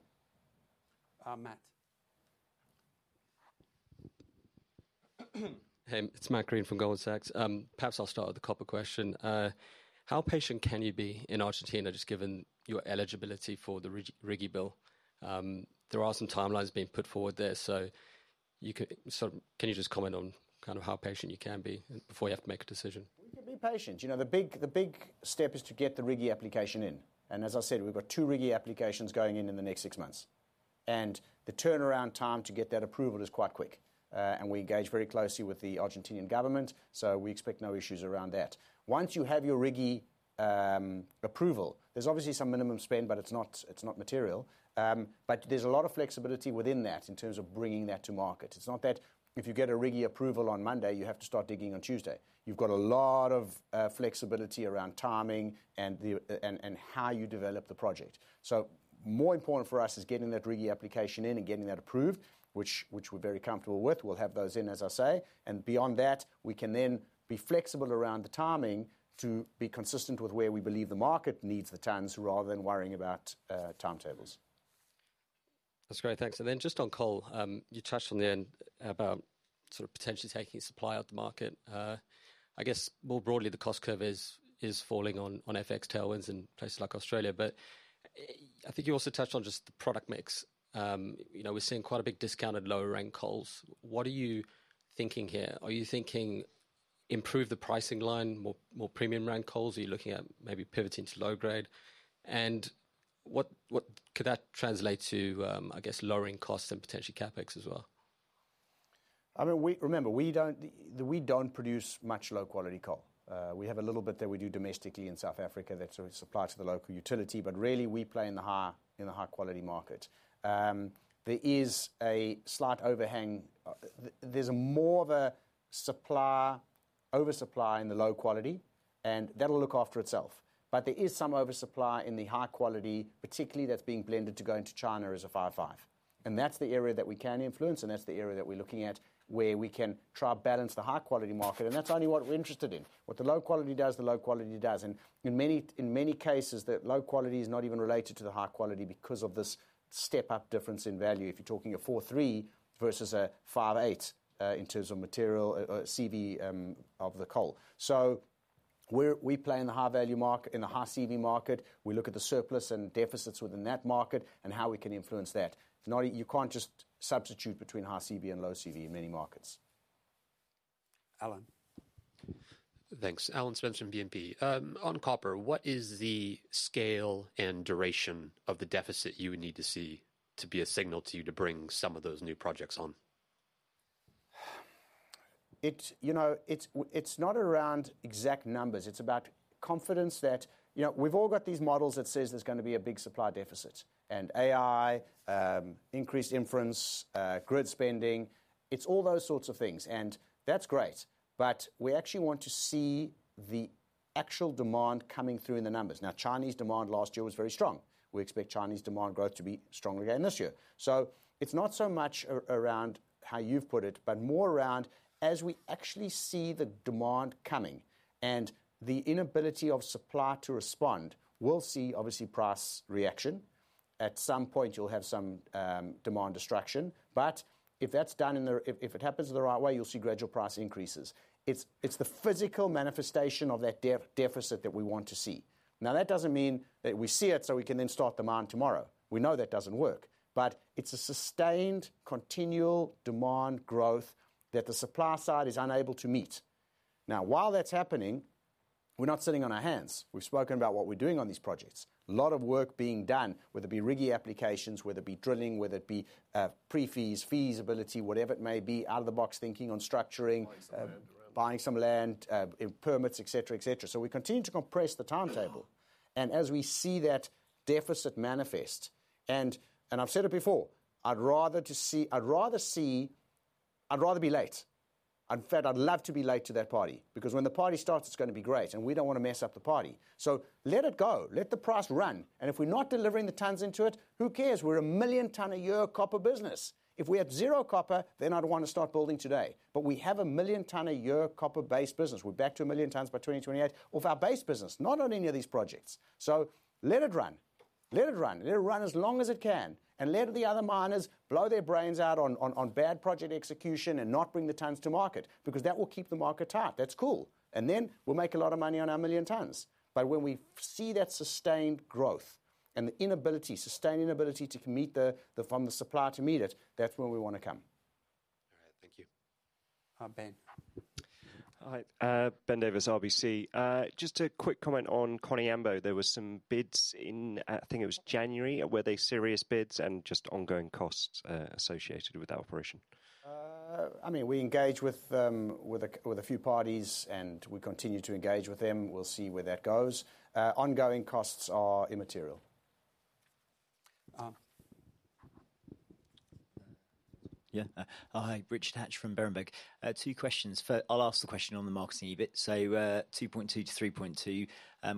Matt. Hey, it's Matt Greene from Goldman Sachs. Perhaps I'll start with the copper question. How patient can you be in Argentina, just given your eligibility for the RIGI bill? There are some timelines being put forward there. So can you just comment on kind of how patient you can be before you have to make a decision? We can be patient. The big step is to get the RIGI application in. As I said, we've got two RIGI applications going in in the next six months. The turnaround time to get that approval is quite quick. We engage very closely with the Argentine government. We expect no issues around that. Once you have your RIGI approval, there's obviously some minimum spend, but it's not material. There's a lot of flexibility within that in terms of bringing that to market. It's not that if you get a RIGI approval on Monday, you have to start digging on Tuesday. You've got a lot of flexibility around timing and how you develop the project. More important for us is getting that RIGI application in and getting that approved, which we're very comfortable with. We'll have those in, as I say. Beyond that, we can then be flexible around the timing to be consistent with where we believe the market needs the tons rather than worrying about timetables. That's great. Thanks. And then just on coal, you touched on the end about sort of potentially taking supply out of the market. I guess more broadly, the cost curve is falling on FX tailwinds in places like Australia. But I think you also touched on just the product mix. We're seeing quite a big discount in lower-ranked coals. What are you thinking here? Are you thinking improve the pricing line, more premium-ranked coals? Are you looking at maybe pivoting to low-grade? And what could that translate to, I guess, lowering costs and potentially CapEx as well? I mean, remember, we don't produce much low-quality coal. We have a little bit that we do domestically in South Africa that's supplied to the local utility. But really, we play in the high-quality market. There is a slight overhang. There's more of an oversupply in the low-quality, and that'll look after itself. But there is some oversupply in the high-quality, particularly that's being blended to go into China as a 5/5. And that's the area that we can influence. And that's the area that we're looking at where we can try to balance the high-quality market. And that's only what we're interested in. What the low-quality does, the low-quality does. And in many cases, that low-quality is not even related to the high-quality because of this step-up difference in value if you're talking a 4/3 versus a 5/8 in terms of material CV of the coal. So we play in the high-value market, in the high-CV market. We look at the surplus and deficits within that market and how we can influence that. You can't just substitute between high-CV and low-CV in many markets. Alan. Thanks. Alan Spence from BNP. On copper, what is the scale and duration of the deficit you would need to see to be a signal to you to bring some of those new projects on? It's not around exact numbers. It's about confidence that we've all got these models that say there's going to be a big supply deficit, and AI, increased inference, grid spending, it's all those sorts of things, and that's great, but we actually want to see the actual demand coming through in the numbers. Now, Chinese demand last year was very strong. We expect Chinese demand growth to be strong again this year. So it's not so much around how you've put it, but more around as we actually see the demand coming and the inability of supply to respond. We'll see obviously price reaction. At some point, you'll have some demand destruction. But if that's done, if it happens the right way, you'll see gradual price increases. It's the physical manifestation of that deficit that we want to see. Now, that doesn't mean that we see it so we can then start demand tomorrow. We know that doesn't work. But it's a sustained continual demand growth that the supply side is unable to meet. Now, while that's happening, we're not sitting on our hands. We've spoken about what we're doing on these projects. A lot of work being done, whether it be RIGI applications, whether it be drilling, whether it be pre-feasibility, feasibility, whatever it may be, out-of-the-box thinking on structuring, buying some land, permits, etc., etc. So we continue to compress the timetable. And as we see that deficit manifest, and I've said it before, I'd rather see I'd rather be late. In fact, I'd love to be late to that party because when the party starts, it's going to be great. And we don't want to mess up the party. So let it go. Let the price run. And if we're not delivering the tons into it, who cares? We're a million-ton-a-year copper business. If we had zero copper, then I'd want to start building today. But we have a million-ton-a-year copper-based business. We're back to a million tons by 2028 of our base business, not on any of these projects. So let it run. Let it run. Let it run as long as it can. And let the other miners blow their brains out on bad project execution and not bring the tons to market because that will keep the market tight. That's cool. And then we'll make a lot of money on our million tons. But when we see that sustained growth and the inability, sustained inability to meet from the supply to meet it, that's when we want to come. All right. Thank you. Ben. All right. Ben Davis, RBC. Just a quick comment on Koniambo. There were some bids in, I think it was January, were they serious bids and just ongoing costs associated with that operation? I mean, we engage with a few parties, and we continue to engage with them. We'll see where that goes. Ongoing costs are immaterial. Yeah. Hi. Richard Hatch from Berenberg. Two questions. I'll ask the question on the marketing bit. So $2.2-$3.2,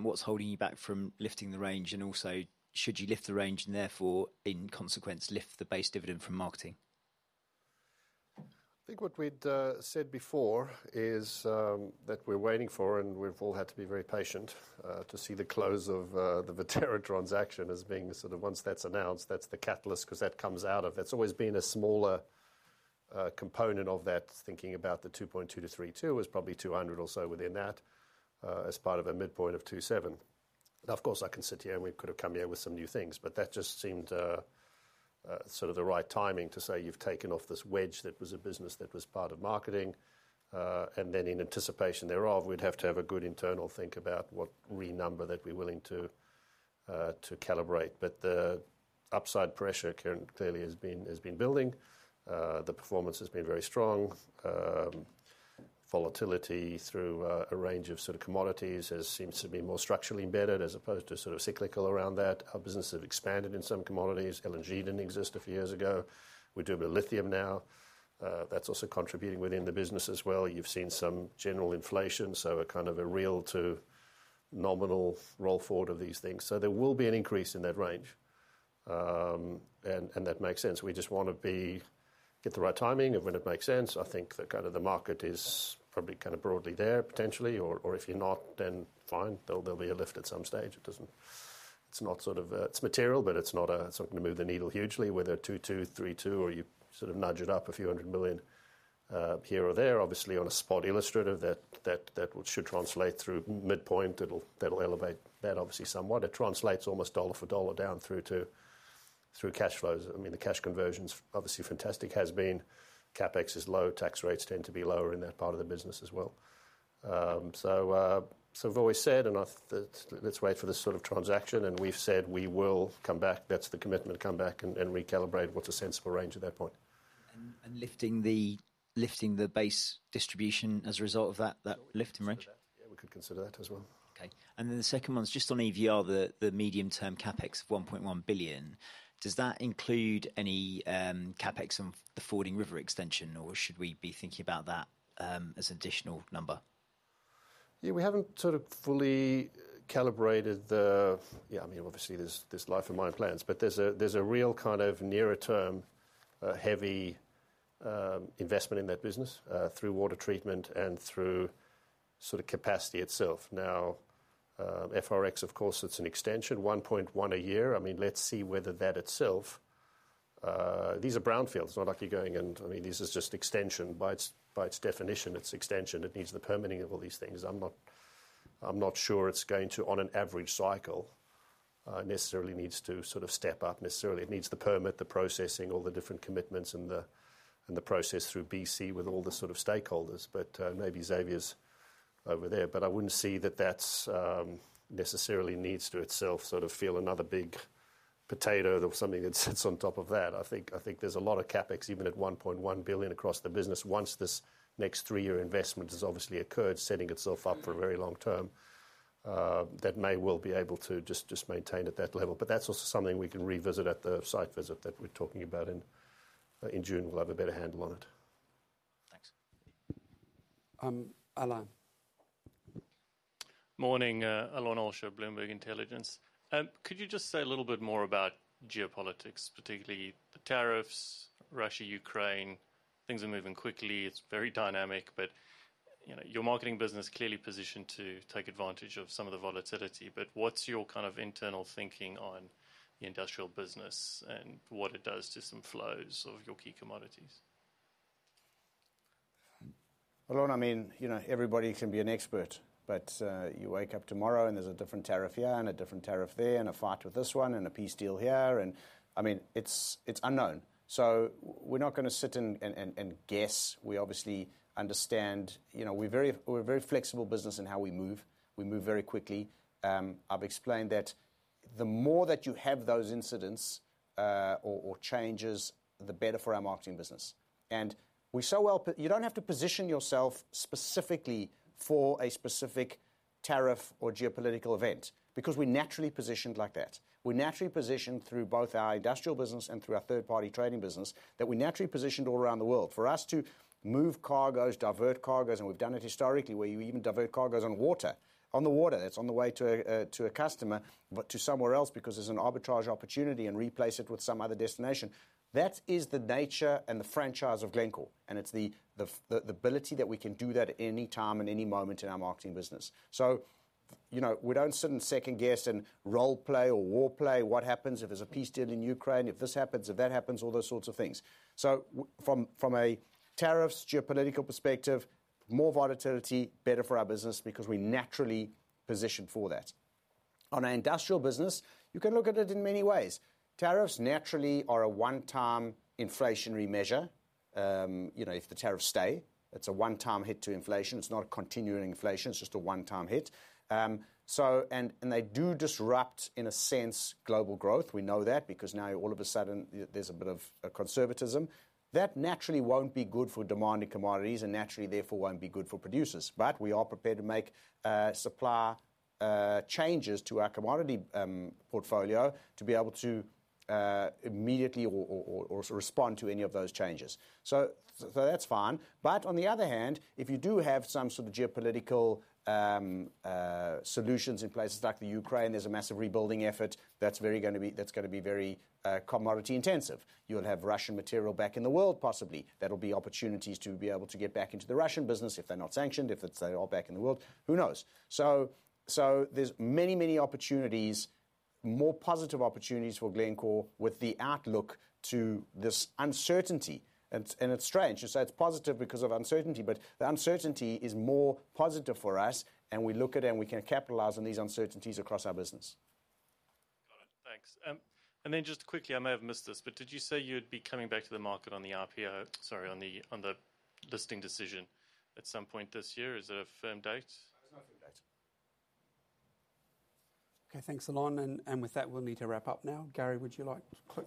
what's holding you back from lifting the range? And also, should you lift the range and therefore, in consequence, lift the base dividend from marketing? I think what we'd said before is that we're waiting for, and we've all had to be very patient to see the close of the Viterra transaction as being sort of once that's announced, that's the catalyst because that comes out of that's always been a smaller component of that thinking about the $2.2-$3.2 was probably $200 or so within that as part of a midpoint of $2.7. And of course, I can sit here and we could have come here with some new things. But that just seemed sort of the right timing to say you've taken off this wedge that was a business that was part of marketing. And then in anticipation thereof, we'd have to have a good internal think about what remuneration that we're willing to calibrate. But the upside pressure clearly has been building. The performance has been very strong. Volatility through a range of sort of commodities has seemed to be more structurally embedded as opposed to sort of cyclical around that. Our business has expanded in some commodities. LNG didn't exist a few years ago. We're doing a bit of lithium now. That's also contributing within the business as well. You've seen some general inflation, so a kind of a real to nominal roll forward of these things. So there will be an increase in that range. And that makes sense. We just want to get the right timing of when it makes sense. I think that kind of the market is probably kind of broadly there potentially. Or if you're not, then fine. There'll be a lift at some stage. It's not sort of, it's material, but it's not something to move the needle hugely whether 2.2, 3.2, or you sort of nudge it up a few hundred million here or there. Obviously, on a spot illustrative, that should translate through midpoint. It'll elevate that obviously somewhat. It translates almost dollar for dollar down through cash flows. I mean, the cash conversion is obviously fantastic has been. CapEx is low. Tax rates tend to be lower in that part of the business as well. So we've always said, and let's wait for this sort of transaction. And we've said we will come back. That's the commitment to come back and recalibrate what's a sensible range at that point. And lifting the base distribution as a result of that lifting range? Yeah, we could consider that as well. Okay. And then the second one is just on EVR, the medium-term CapEx of $1.1 billion. Does that include any CapEx on the Fording River extension, or should we be thinking about that as an additional number? Yeah, we haven't sort of fully calibrated the yeah, I mean, obviously, there's life and mining plans. But there's a real kind of nearer-term heavy investment in that business through water treatment and through sort of capacity itself. Now, FRX, of course, it's an extension, $1.1 billion a year. I mean, let's see whether that itself these are brownfields. It's not like you're going and I mean, this is just extension. By its definition, it's extension. It needs the permitting of all these things. I'm not sure it's going to, on an average cycle, necessarily needs to sort of step up necessarily. It needs the permit, the processing, all the different commitments, and the process through BC with all the sort of stakeholders. But maybe Xavier's over there. But I wouldn't see that that necessarily needs to itself sort of feel another big potato or something that sits on top of that. I think there's a lot of CapEx, even at $1.1 billion across the business. Once this next three-year investment has obviously occurred, setting itself up for a very long term, that may well be able to just maintain at that level. But that's also something we can revisit at the site visit that we're talking about in June. We'll have a better handle on it. Thanks. Alon. Morning. Alon Olsha, Bloomberg Intelligence. Could you just say a little bit more about geopolitics, particularly the tariffs, Russia, Ukraine? Things are moving quickly. It's very dynamic. But your marketing business is clearly positioned to take advantage of some of the volatility. But what's your kind of internal thinking on the industrial business and what it does to some flows of your key commodities? Alon, I mean, everybody can be an expert. But you wake up tomorrow, and there's a different tariff here and a different tariff there and a fight with this one and a peace deal here. And I mean, it's unknown. So we're not going to sit and guess. We obviously understand we're a very flexible business in how we move. We move very quickly. I've explained that the more that you have those incidents or changes, the better for our marketing business. And you don't have to position yourself specifically for a specific tariff or geopolitical event because we're naturally positioned like that. We're naturally positioned through both our industrial business and through our third-party trading business that we're naturally positioned all around the world. For us to move cargoes, divert cargoes, and we've done it historically where you even divert cargoes on water, on the water that's on the way to a customer but to somewhere else because there's an arbitrage opportunity and replace it with some other destination. That is the nature and the franchise of Glencore. And it's the ability that we can do that at any time and any moment in our marketing business. So we don't sit and second-guess and role-play or war-play what happens if there's a peace deal in Ukraine, if this happens, if that happens, all those sorts of things. From a tariffs, geopolitical perspective, more volatility is better for our business because we're naturally positioned for that. On our industrial business, you can look at it in many ways. Tariffs naturally are a one-time inflationary measure. If the tariffs stay, it's a one-time hit to inflation. It's not a continuing inflation. It's just a one-time hit. They do disrupt, in a sense, global growth. We know that because now, all of a sudden, there's a bit of conservatism. That naturally won't be good for demanding commodities and naturally, therefore, won't be good for producers. We are prepared to make supply changes to our commodity portfolio to be able to immediately or respond to any of those changes. That's fine. On the other hand, if you do have some sort of geopolitical solutions in places like Ukraine, there's a massive rebuilding effort. That's going to be very commodity intensive. You'll have Russian material back in the world, possibly. That'll be opportunities to be able to get back into the Russian business if they're not sanctioned, if they're all back in the world. Who knows? So there's many, many opportunities, more positive opportunities for Glencore with the outlook to this uncertainty. And it's strange. You say it's positive because of uncertainty, but the uncertainty is more positive for us. And we look at it, and we can capitalize on these uncertainties across our business. Got it. Thanks. And then just quickly, I may have missed this, but did you say you'd be coming back to the market on the RPO, sorry, on the listing decision at some point this year? Is there a firm date? There's no firm date. Okay. Thanks, Alon. And with that, we'll need to wrap up now. Gary, would you like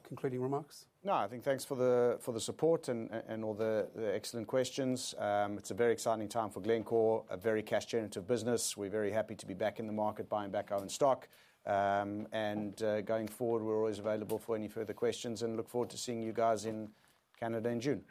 concluding remarks? No, I think thanks for the support and all the excellent questions. It's a very exciting time for Glencore, a very cash-generative business. We're very happy to be back in the market, buying back our own stock. And going forward, we're always available for any further questions and look forward to seeing you guys in Canada in June.